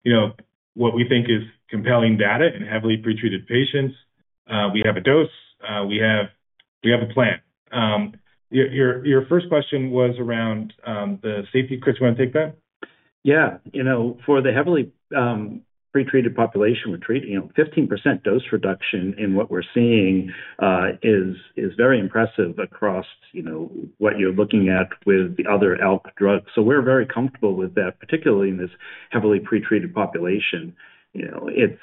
you know, what we think is compelling data in heavily pretreated patients. We have a dose, we have a plan. Your first question was around the safety. Chris, you want to take that? Yeah. You know, for the heavily pretreated population we're treating, you know, 15% dose reduction in what we're seeing is very impressive across, you know, what you're looking at with the other ALK drugs. So we're very comfortable with that, particularly in this heavily pretreated population. You know, it's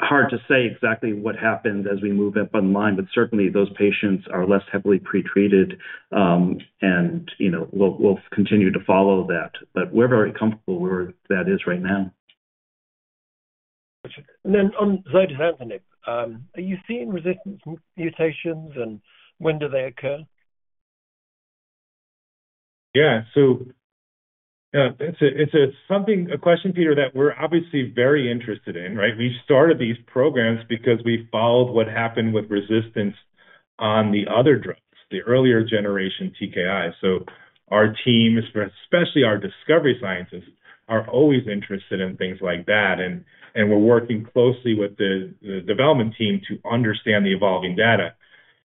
hard to say exactly what happened as we move up online, but certainly those patients are less heavily pretreated, and you know, we'll continue to follow that, but we're very comfortable where that is right now. On zidesamtinib, are you seeing resistance mutations, and when do they occur? Yeah. So, it's a question, Peter, that we're obviously very interested in, right? We started these programs because we followed what happened with resistance on the other drugs, the earlier generation TKI. So our team, especially our discovery scientists, are always interested in things like that, and we're working closely with the development team to understand the evolving data.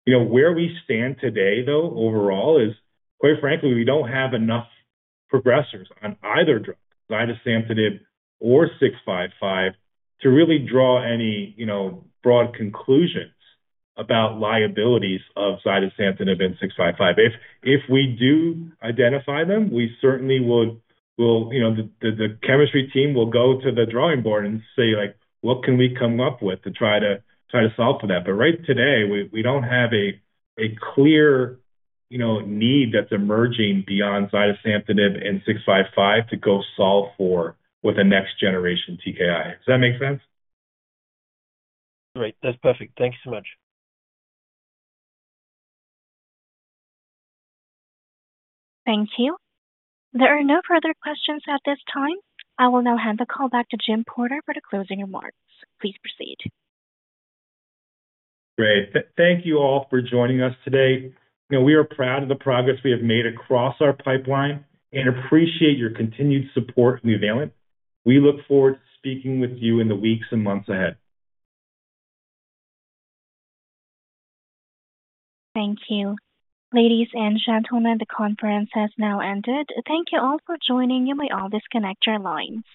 You know, where we stand today, though, overall, is quite frankly, we don't have enough progressors on either drug, zidesamtinib or six five five, to really draw any, you know, broad conclusions about liabilities of zidesamtinib and six five five. If we do identify them, we certainly would, will... You know, the chemistry team will go to the drawing board and say, like, "What can we come up with to try to solve for that?" But right today, we don't have a clear, you know, need that's emerging beyond zidesamtinib and NVL-655 to go solve for, with the next generation TKI. Does that make sense? Great. That's perfect. Thank you so much. Thank you. There are no further questions at this time. I will now hand the call back to Jim Porter for the closing remarks. Please proceed. Great. Thank you all for joining us today. You know, we are proud of the progress we have made across our pipeline and appreciate your continued support in Nuvalent. We look forward to speaking with you in the weeks and months ahead. Thank you. Ladies and gentlemen, the conference has now ended. Thank you all for joining, you may all disconnect your lines.